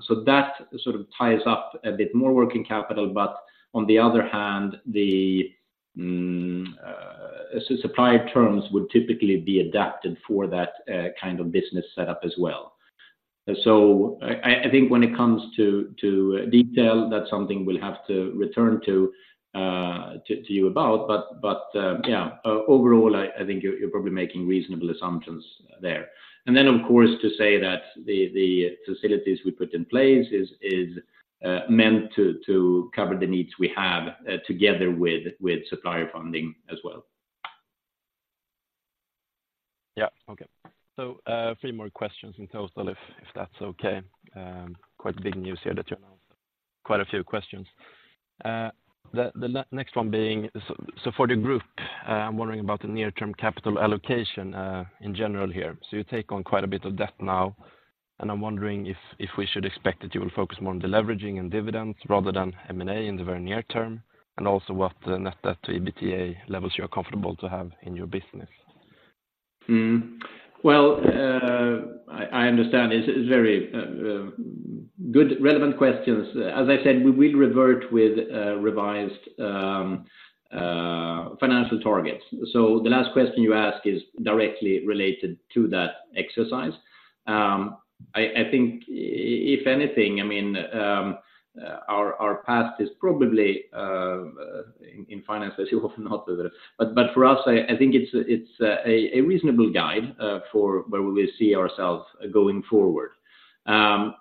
[SPEAKER 3] So that sort of ties up a bit more working capital, but on the other hand, the supply terms would typically be adapted for that kind of business setup as well. So I think when it comes to detail, that's something we'll have to return to you about, but yeah, overall, I think you're probably making reasonable assumptions there. And then, of course, to say that the facilities we put in place is meant to cover the needs we have together with supplier funding as well.
[SPEAKER 4] Yeah. Okay. So, a few more questions from Coastal, if that's okay. Quite big news here that you announced. Quite a few questions. The next one being, so for the group, I'm wondering about the near-term capital allocation, in general here. So you take on quite a bit of debt now, and I'm wondering if we should expect that you will focus more on the leveraging and dividends rather than M&A in the very near term, and also what the net debt to EBITDA levels you are comfortable to have in your business.
[SPEAKER 3] Mm. Well, I understand. It's very good relevant questions. As I said, we will revert with revised financial targets. So the last question you asked is directly related to that exercise. I think if anything, I mean, our past is probably in finance, as you often not, but for us, I think it's a reasonable guide for where we see ourselves going forward.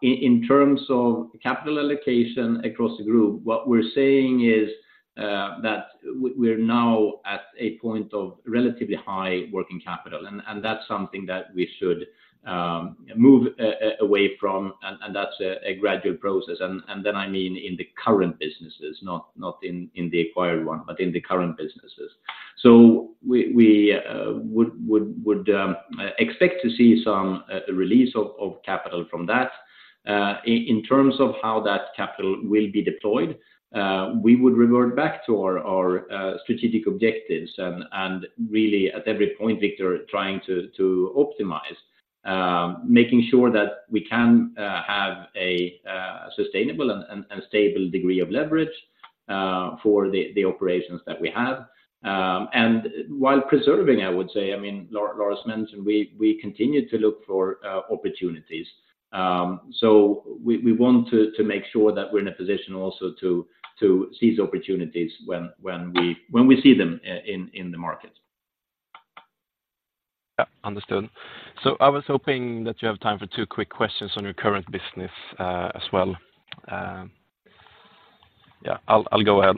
[SPEAKER 3] In terms of capital allocation across the group, what we're saying is that we, we're now at a point of relatively high working capital, and that's something that we should move away from, and that's a gradual process. Then, I mean, in the current businesses, not in the acquired one, but in the current businesses. So we would expect to see some release of capital from that. In terms of how that capital will be deployed, we would revert back to our strategic objectives, and really, at every point, Victor, trying to optimize, making sure that we can have a sustainable and stable degree of leverage for the operations that we have. And while preserving, I would say, I mean, Lars mentioned we continue to look for opportunities. So we want to make sure that we're in a position also to seize opportunities when we see them in the market. ...
[SPEAKER 4] Understood. So I was hoping that you have time for two quick questions on your current business, as well. Yeah, I'll go ahead.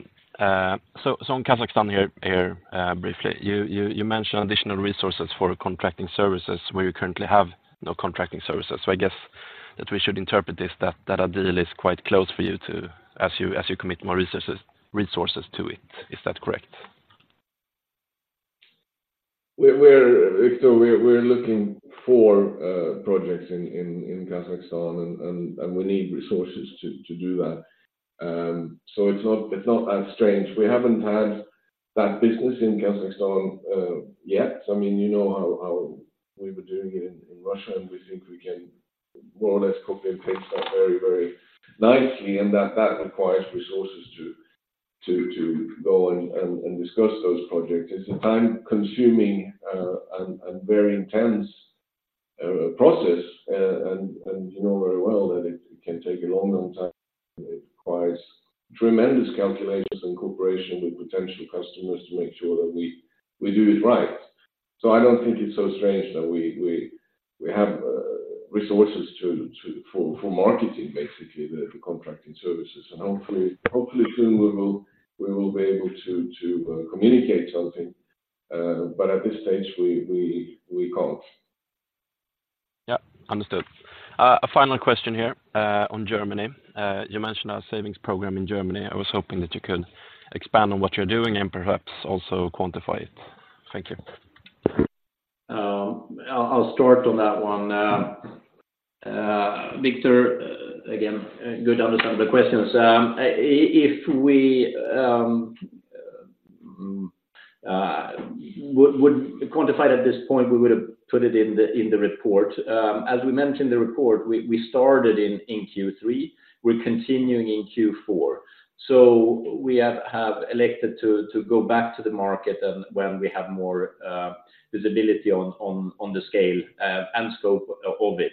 [SPEAKER 4] So on Kazakhstan here briefly, you mentioned additional resources for contracting services where you currently have no contracting services. So I guess that we should interpret this, that a deal is quite close for you to, as you commit more resources to it. Is that correct?
[SPEAKER 2] We're, Victor, we're looking for projects in Kazakhstan and we need resources to do that. So it's not that strange. We haven't had that business in Kazakhstan yet. I mean, you know how we were doing it in Russia, and we think we can more or less copy and paste that very nicely, and that requires resources to go and discuss those projects. It's a time-consuming and very intense process, and you know very well that it can take a long time. It requires tremendous calculations and cooperation with potential customers to make sure that we do it right. So I don't think it's so strange that we have resources for marketing, basically, the contracting services. Hopefully, hopefully soon we will be able to communicate something, but at this stage, we can't.
[SPEAKER 4] Yeah. Understood. A final question here, on Germany. You mentioned a savings program in Germany. I was hoping that you could expand on what you're doing and perhaps also quantify it. Thank you.
[SPEAKER 3] I'll start on that one. Victor, again, good to understand the questions. If we would quantify it at this point, we would have put it in the report. As we mentioned in the report, we started in Q3, we're continuing in Q4. So we have elected to go back to the market and when we have more visibility on the scale and scope of it.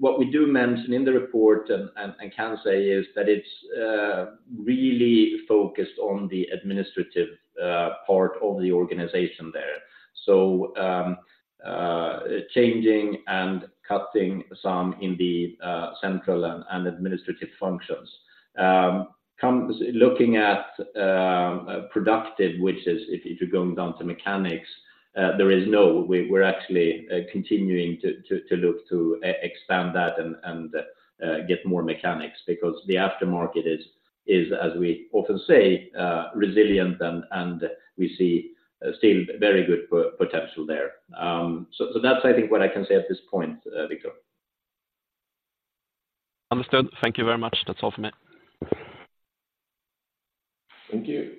[SPEAKER 3] What we do mention in the report and can say is that it's really focused on the administrative part of the organization there. So, changing and cutting some in the central and administrative functions. Looking at productive, which is if you're going down to mechanics, there is no... We're actually continuing to look to expand that and get more mechanics because the aftermarket is, as we often say, resilient and we see still very good potential there. So that's, I think, what I can say at this point, Victor.
[SPEAKER 4] Understood. Thank you very much. That's all for me.
[SPEAKER 2] Thank you.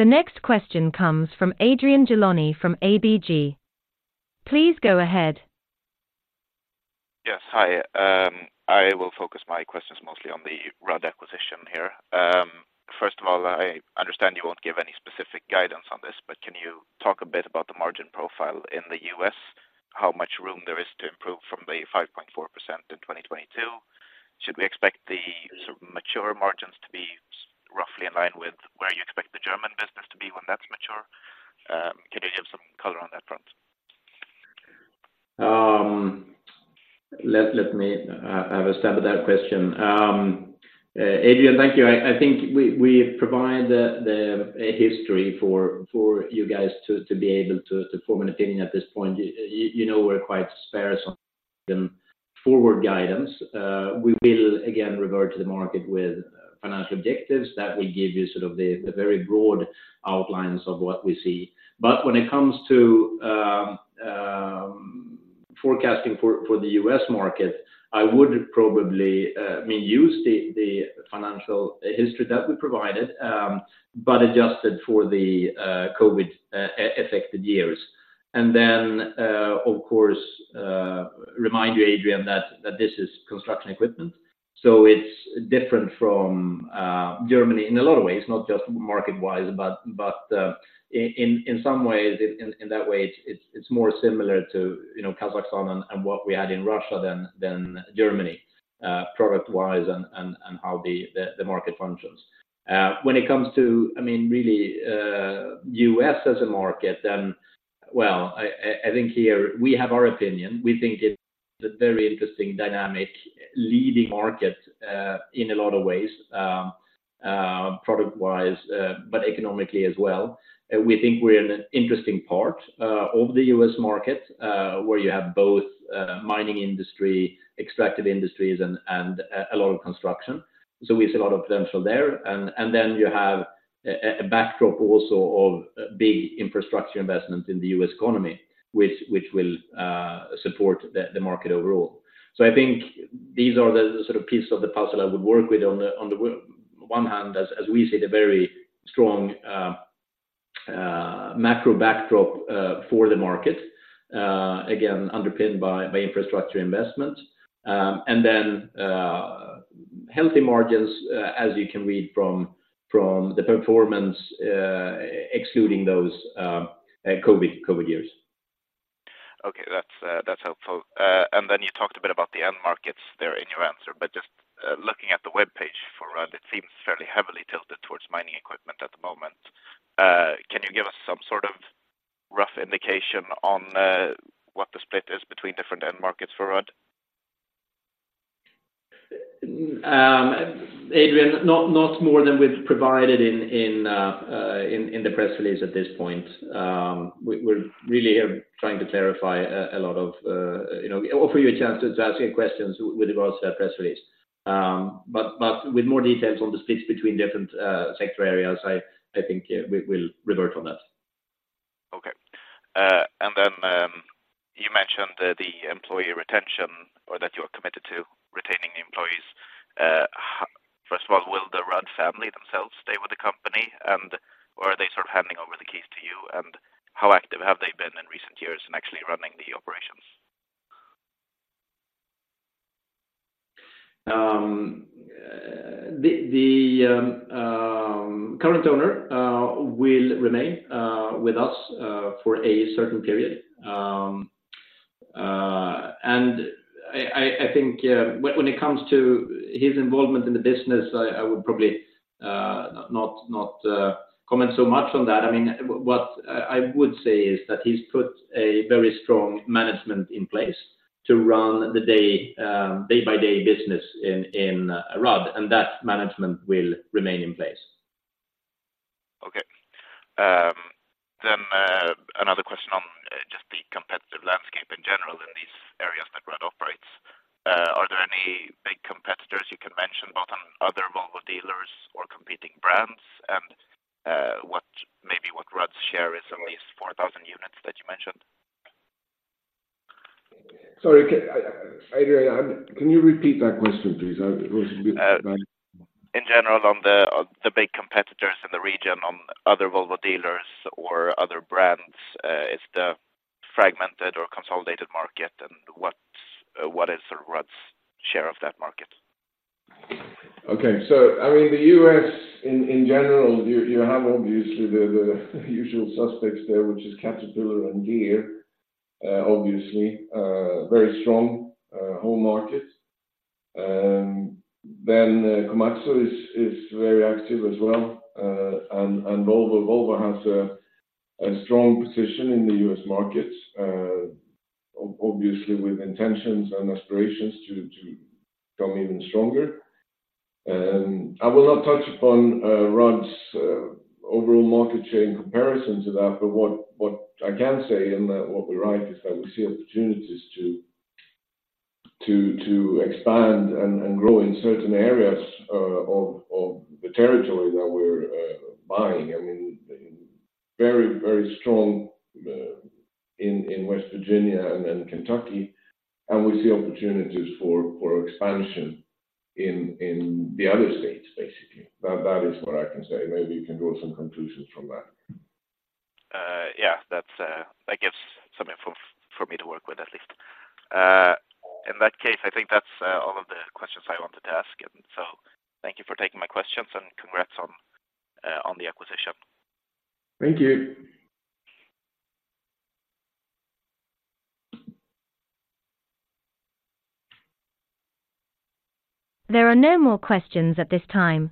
[SPEAKER 1] The next question comes from Adrian Gilani from ABG. Please go ahead.
[SPEAKER 5] Yes, hi. I will focus my questions mostly on the Rudd acquisition here. First of all, I understand you won't give any specific guidance on this, but can you talk a bit about the margin profile in the U.S.? How much room there is to improve from the 5.4% in 2022? Should we expect the mature margins to be roughly in line with where you expect the German business to be when that's mature? Can you give some color on that front?
[SPEAKER 3] Let me have a stab at that question. Adrian, thank you. I think we provide a history for you guys to be able to form an opinion at this point. You know, we're quite sparse on the forward guidance. We will again revert to the market with financial objectives that will give you sort of the very broad outlines of what we see. But when it comes to forecasting for the U.S. market, I would probably may use the financial history that we provided, but adjusted for the COVID-affected years. Of course, remind you, Adrian, that this is construction equipment, so it's different from Germany in a lot of ways, not just market-wise, but in some ways, in that way, it's more similar to, you know, Kazakhstan and what we had in Russia than Germany, product-wise and how the market functions. When it comes to, I mean, really, the U.S. as a market, then, well, I think here we have our opinion. We think it's a very interesting dynamic, leading market in a lot of ways, product-wise, but economically as well. We think we're in an interesting part of the U.S. market where you have both mining industry, extractive industries, and a lot of construction. So we see a lot of potential there. And then you have a backdrop also of big infrastructure investments in the U.S. economy, which will support the market overall. So I think these are the sort of pieces of the puzzle I would work with on the one hand, as we see the very strong macro backdrop for the market, again, underpinned by infrastructure investment, and then healthy margins, as you can read from the performance, excluding those COVID years. ...
[SPEAKER 5] Okay, that's, that's helpful. And then you talked a bit about the end markets there in your answer, but just, looking at the webpage for Rudd, it seems fairly heavily tilted towards mining equipment at the moment. Can you give us some sort of rough indication on, what the split is between different end markets for Rudd?
[SPEAKER 3] Adrian, not more than we've provided in the press release at this point. We're really here trying to clarify a lot of, you know, offer you a chance to ask any questions with regards to that press release. But with more details on the splits between different sector areas, I think we'll revert on that.
[SPEAKER 5] Okay. And then, you mentioned the employee retention or that you are committed to retaining the employees. First of all, will the Rudd family themselves stay with the company, and or are they sort of handing over the keys to you? And how active have they been in recent years in actually running the operations?
[SPEAKER 3] The current owner will remain with us for a certain period. I think when it comes to his involvement in the business, I would probably not comment so much on that. I mean, what I would say is that he's put a very strong management in place to run the day-by-day business in Rudd, and that management will remain in place.
[SPEAKER 5] Okay. Then, another question on just the competitive landscape in general in these areas that Rudd operates. Are there any big competitors you can mention, both on other Volvo dealers or competing brands? And, what Rudd's share is on these 4,000 units that you mentioned?
[SPEAKER 2] Sorry, Adrian, can you repeat that question, please? It was a bit vague.
[SPEAKER 5] In general, on the big competitors in the region, on other Volvo dealers or other brands, is the fragmented or consolidated market, and what is sort of Rudd's share of that market?
[SPEAKER 2] Okay. So I mean, the U.S. in general, you have obviously the usual suspects there, which is Caterpillar and Deere, obviously, very strong home market. Then, Komatsu is very active as well. And Volvo. Volvo has a strong position in the U.S. market, obviously with intentions and aspirations to become even stronger. And I will not touch upon Rudd's overall market share in comparison to that, but what I can say, and what we write, is that we see opportunities to expand and grow in certain areas of the territory that we're buying. I mean, very, very strong in West Virginia and Kentucky, and we see opportunities for expansion in the other states, basically. That, that is what I can say. Maybe you can draw some conclusions from that.
[SPEAKER 5] Yeah, that's that gives some info for me to work with, at least. In that case, I think that's all of the questions I wanted to ask, and so thank you for taking my questions, and congrats on the acquisition.
[SPEAKER 2] Thank you.
[SPEAKER 1] There are no more questions at this time,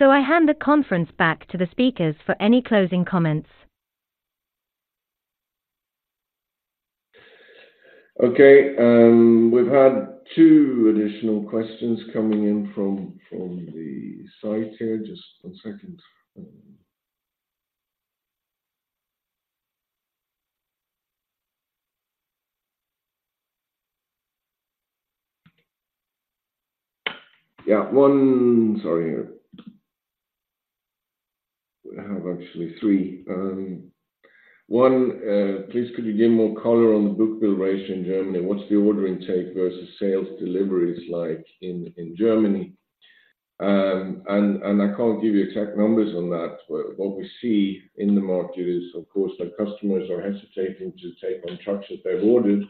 [SPEAKER 1] so I hand the conference back to the speakers for any closing comments.
[SPEAKER 2] Okay, we've had two additional questions coming in from the site here. Just one second. Yeah, one... Sorry, here. We have actually three. One, please, could you give more color on the book bill ratio in Germany? What's the order intake versus sales deliveries like in Germany? And I can't give you exact numbers on that, but what we see in the market is, of course, that customers are hesitating to take on trucks that they've ordered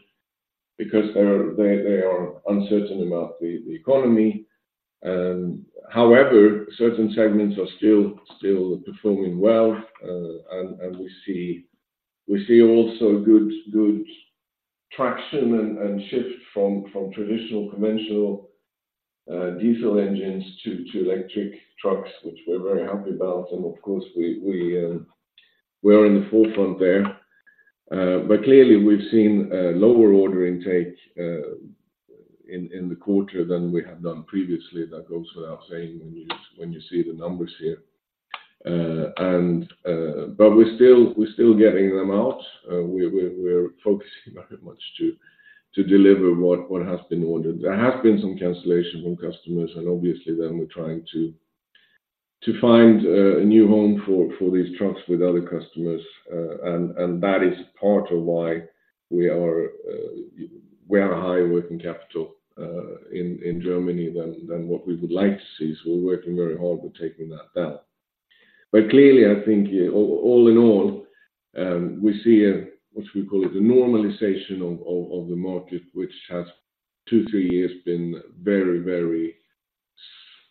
[SPEAKER 2] because they're they are uncertain about the economy. However, certain segments are still performing well, and we see also good traction and shift from traditional, conventional diesel engines to electric trucks, which we're very happy about. And of course, we are in the forefront there. But clearly, we've seen a lower order intake in the quarter than we have done previously. That goes without saying when you see the numbers here. But we're still getting them out. We're focusing very much to deliver what has been ordered. There have been some cancellation from customers, and obviously, then we're trying to find a new home for these trucks with other customers. And that is part of why we are a higher working capital in Germany than what we would like to see. So we're working very hard with taking that down. But clearly, I think all in all, we see a, what should we call it? A normalization of the market, which has two, three years been very, very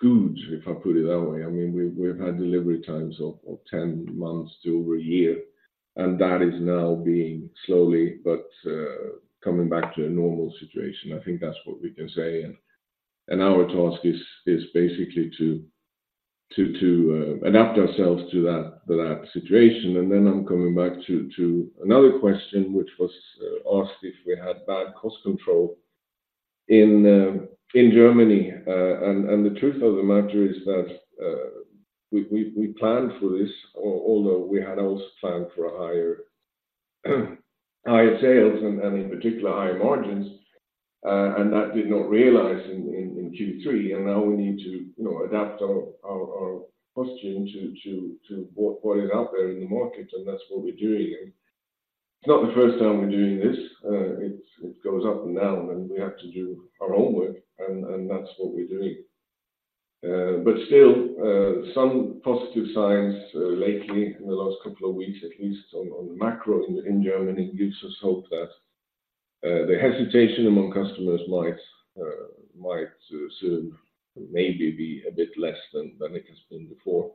[SPEAKER 2] good, if I put it that way. I mean, we've had delivery times of 10 months to over a year, and that is now being slowly but coming back to a normal situation. I think that's what we can say. And our task is basically to adapt ourselves to that situation. And then I'm coming back to another question, which was asked, if we had bad cost control in Germany. And the truth of the matter is that we planned for this, although we had also planned for a higher sales and in particular, higher margins, and that did not realize in Q3, and now we need to, you know, adapt our costing to what is out there in the market, and that's what we're doing. And it's not the first time we're doing this. It goes up and down, and we have to do our own work, and that's what we're doing. But still, some positive signs lately in the last couple of weeks, at least on macro in Germany, gives us hope that the hesitation among customers might soon maybe be a bit less than it has been before.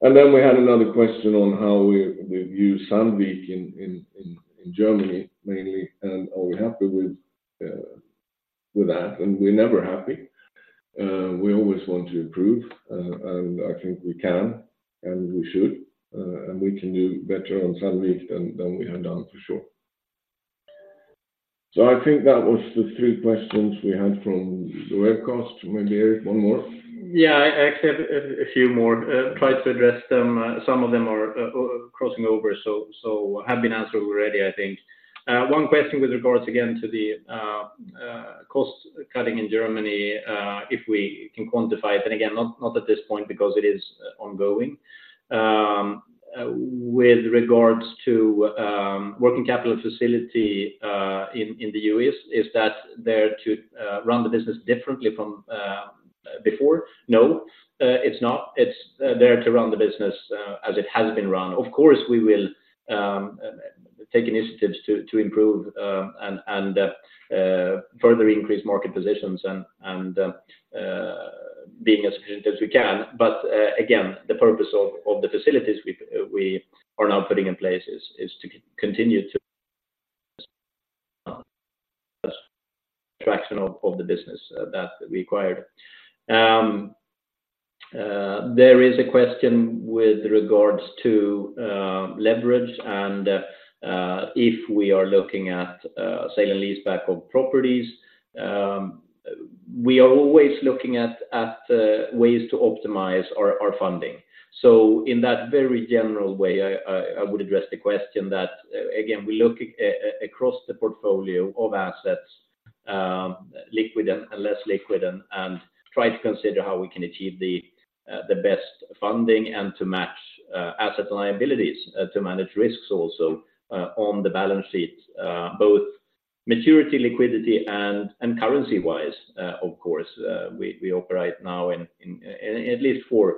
[SPEAKER 2] And then we had another question on how we view Sandvik in Germany mainly, and are we happy with that? And we're never happy. We always want to improve, and I think we can and we should, and we can do better on Sandvik than we have done for sure. So I think that was the three questions we had from the webcast. Maybe, Erik, one more?
[SPEAKER 3] Yeah, I actually have a few more to try to address them. Some of them are crossing over, so have been answered already, I think. One question with regards again to the cost cutting in Germany, if we can quantify it, and again, not at this point because it is ongoing. With regards to working capital facility in the U.S., is that there to run the business differently from before? No, it's not. It's there to run the business as it has been run. Of course, we will take initiatives to improve and further increase market positions and being as efficient as we can. But, again, the purpose of the facilities we are now putting in place is to continue the traction of the business that we acquired. There is a question with regards to leverage and if we are looking at sale and lease back of properties. We are always looking at ways to optimize our funding. So in that very general way, I would address the question that, again, we look across the portfolio of assets, liquid and less liquid, and try to consider how we can achieve the best funding and to match asset liabilities to manage risks also on the balance sheet, both maturity, liquidity, and currency-wise. Of course, we operate now in at least four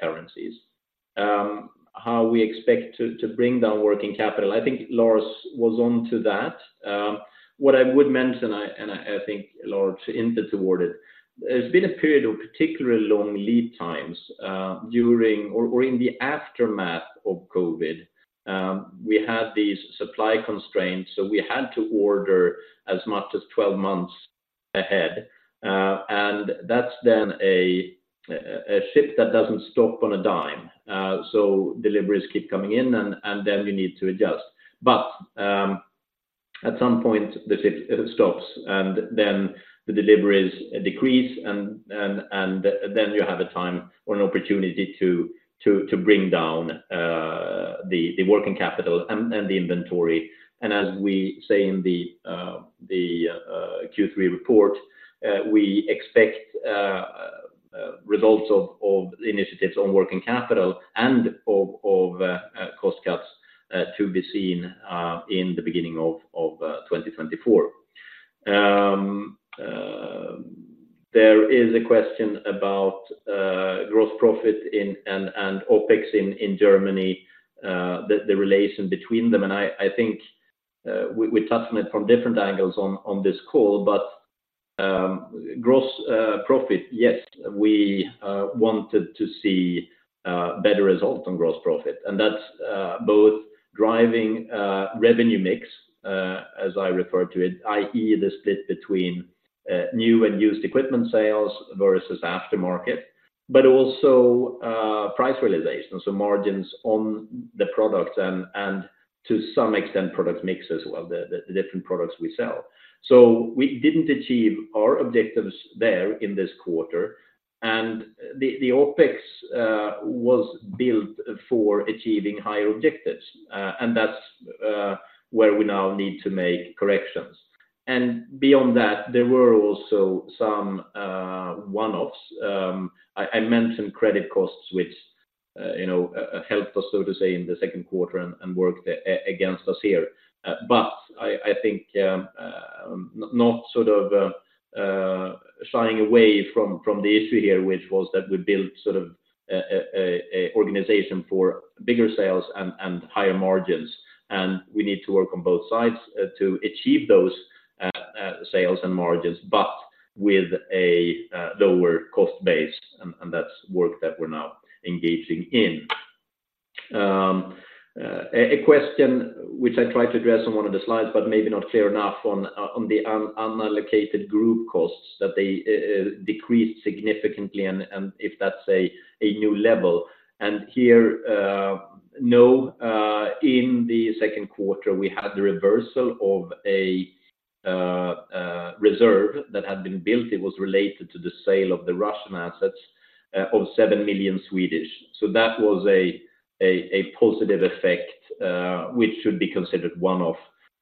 [SPEAKER 3] currencies. How we expect to bring down working capital? I think Lars was on to that. What I would mention, and I think Lars input toward it, there's been a period of particularly long lead times during or in the aftermath of COVID. We had these supply constraints, so we had to order as much as 12 months ahead. And that's then a ship that doesn't stop on a dime. So deliveries keep coming in, and then we need to adjust. But at some point, the ship it stops, and then the deliveries decrease, and then you have a time or an opportunity to bring down the working capital and the inventory. And as we say in the Q3 report, we expect results of the initiatives on working capital and of cost cuts to be seen in the beginning of 2024. There is a question about gross profit in and OpEx in Germany, the relation between them, and I think we touched on it from different angles on this call. But gross profit, yes, we wanted to see better results on gross profit, and that's both driving revenue mix as I refer to it, i.e., the split between new and used equipment sales versus aftermarket, but also price realization, so margins on the products and to some extent, product mix as well, the different products we sell. So we didn't achieve our objectives there in this quarter, and the OpEx was built for achieving higher objectives. And that's where we now need to make corrections. And beyond that, there were also some one-offs. I mentioned credit costs, which you know helped us, so to say, in the second quarter and worked against us here. But I think not sort of shying away from the issue here, which was that we built sort of an organization for bigger sales and higher margins, and we need to work on both sides to achieve those sales and margins, but with a lower cost base, and that's work that we're now engaging in. A question which I tried to address on one of the slides, but maybe not clear enough on the unallocated group costs, that they decreased significantly and if that's a new level. And here in the second quarter, we had the reversal of a reserve that had been built. It was related to the sale of the Russian assets of 7 million. So that was a positive effect, which should be considered one-off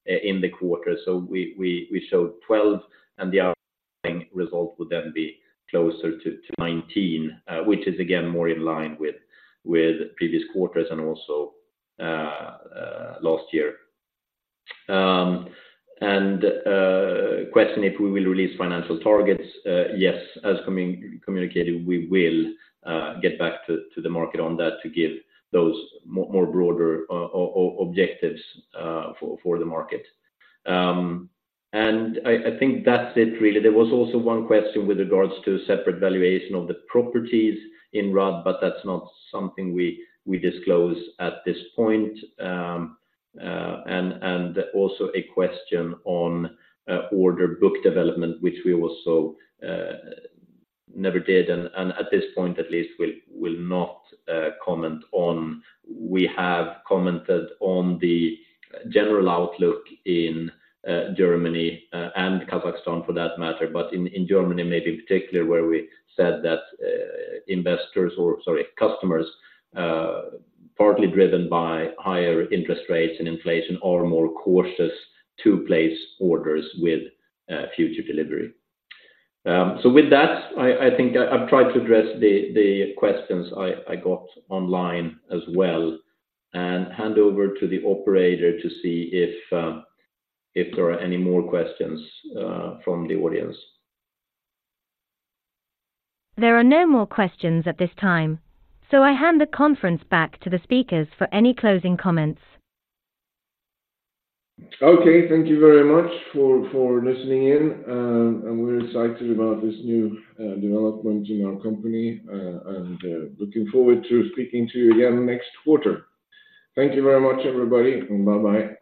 [SPEAKER 3] in the quarter. So we showed 12, and the other result would then be closer to 19, which is again, more in line with previous quarters and also last year. A question, if we will release financial targets? Yes, as communicated, we will get back to the market on that to give those more broader objectives for the market. I think that's it, really. There was also one question with regards to separate valuation of the properties in RAD, but that's not something we disclose at this point. And also a question on order book development, which we also never did, and at this point at least, will not comment on. We have commented on the general outlook in Germany and Kazakhstan for that matter, but in Germany, maybe in particular, where we said that investors or, sorry, customers, partly driven by higher interest rates and inflation, are more cautious to place orders with future delivery. So with that, I think I've tried to address the questions I got online as well, and hand over to the operator to see if there are any more questions from the audience.
[SPEAKER 1] There are no more questions at this time, so I hand the conference back to the speakers for any closing comments.
[SPEAKER 3] Okay. Thank you very much for listening in, and we're excited about this new development in our company, and looking forward to speaking to you again next quarter. Thank you very much, everybody, and bye-bye.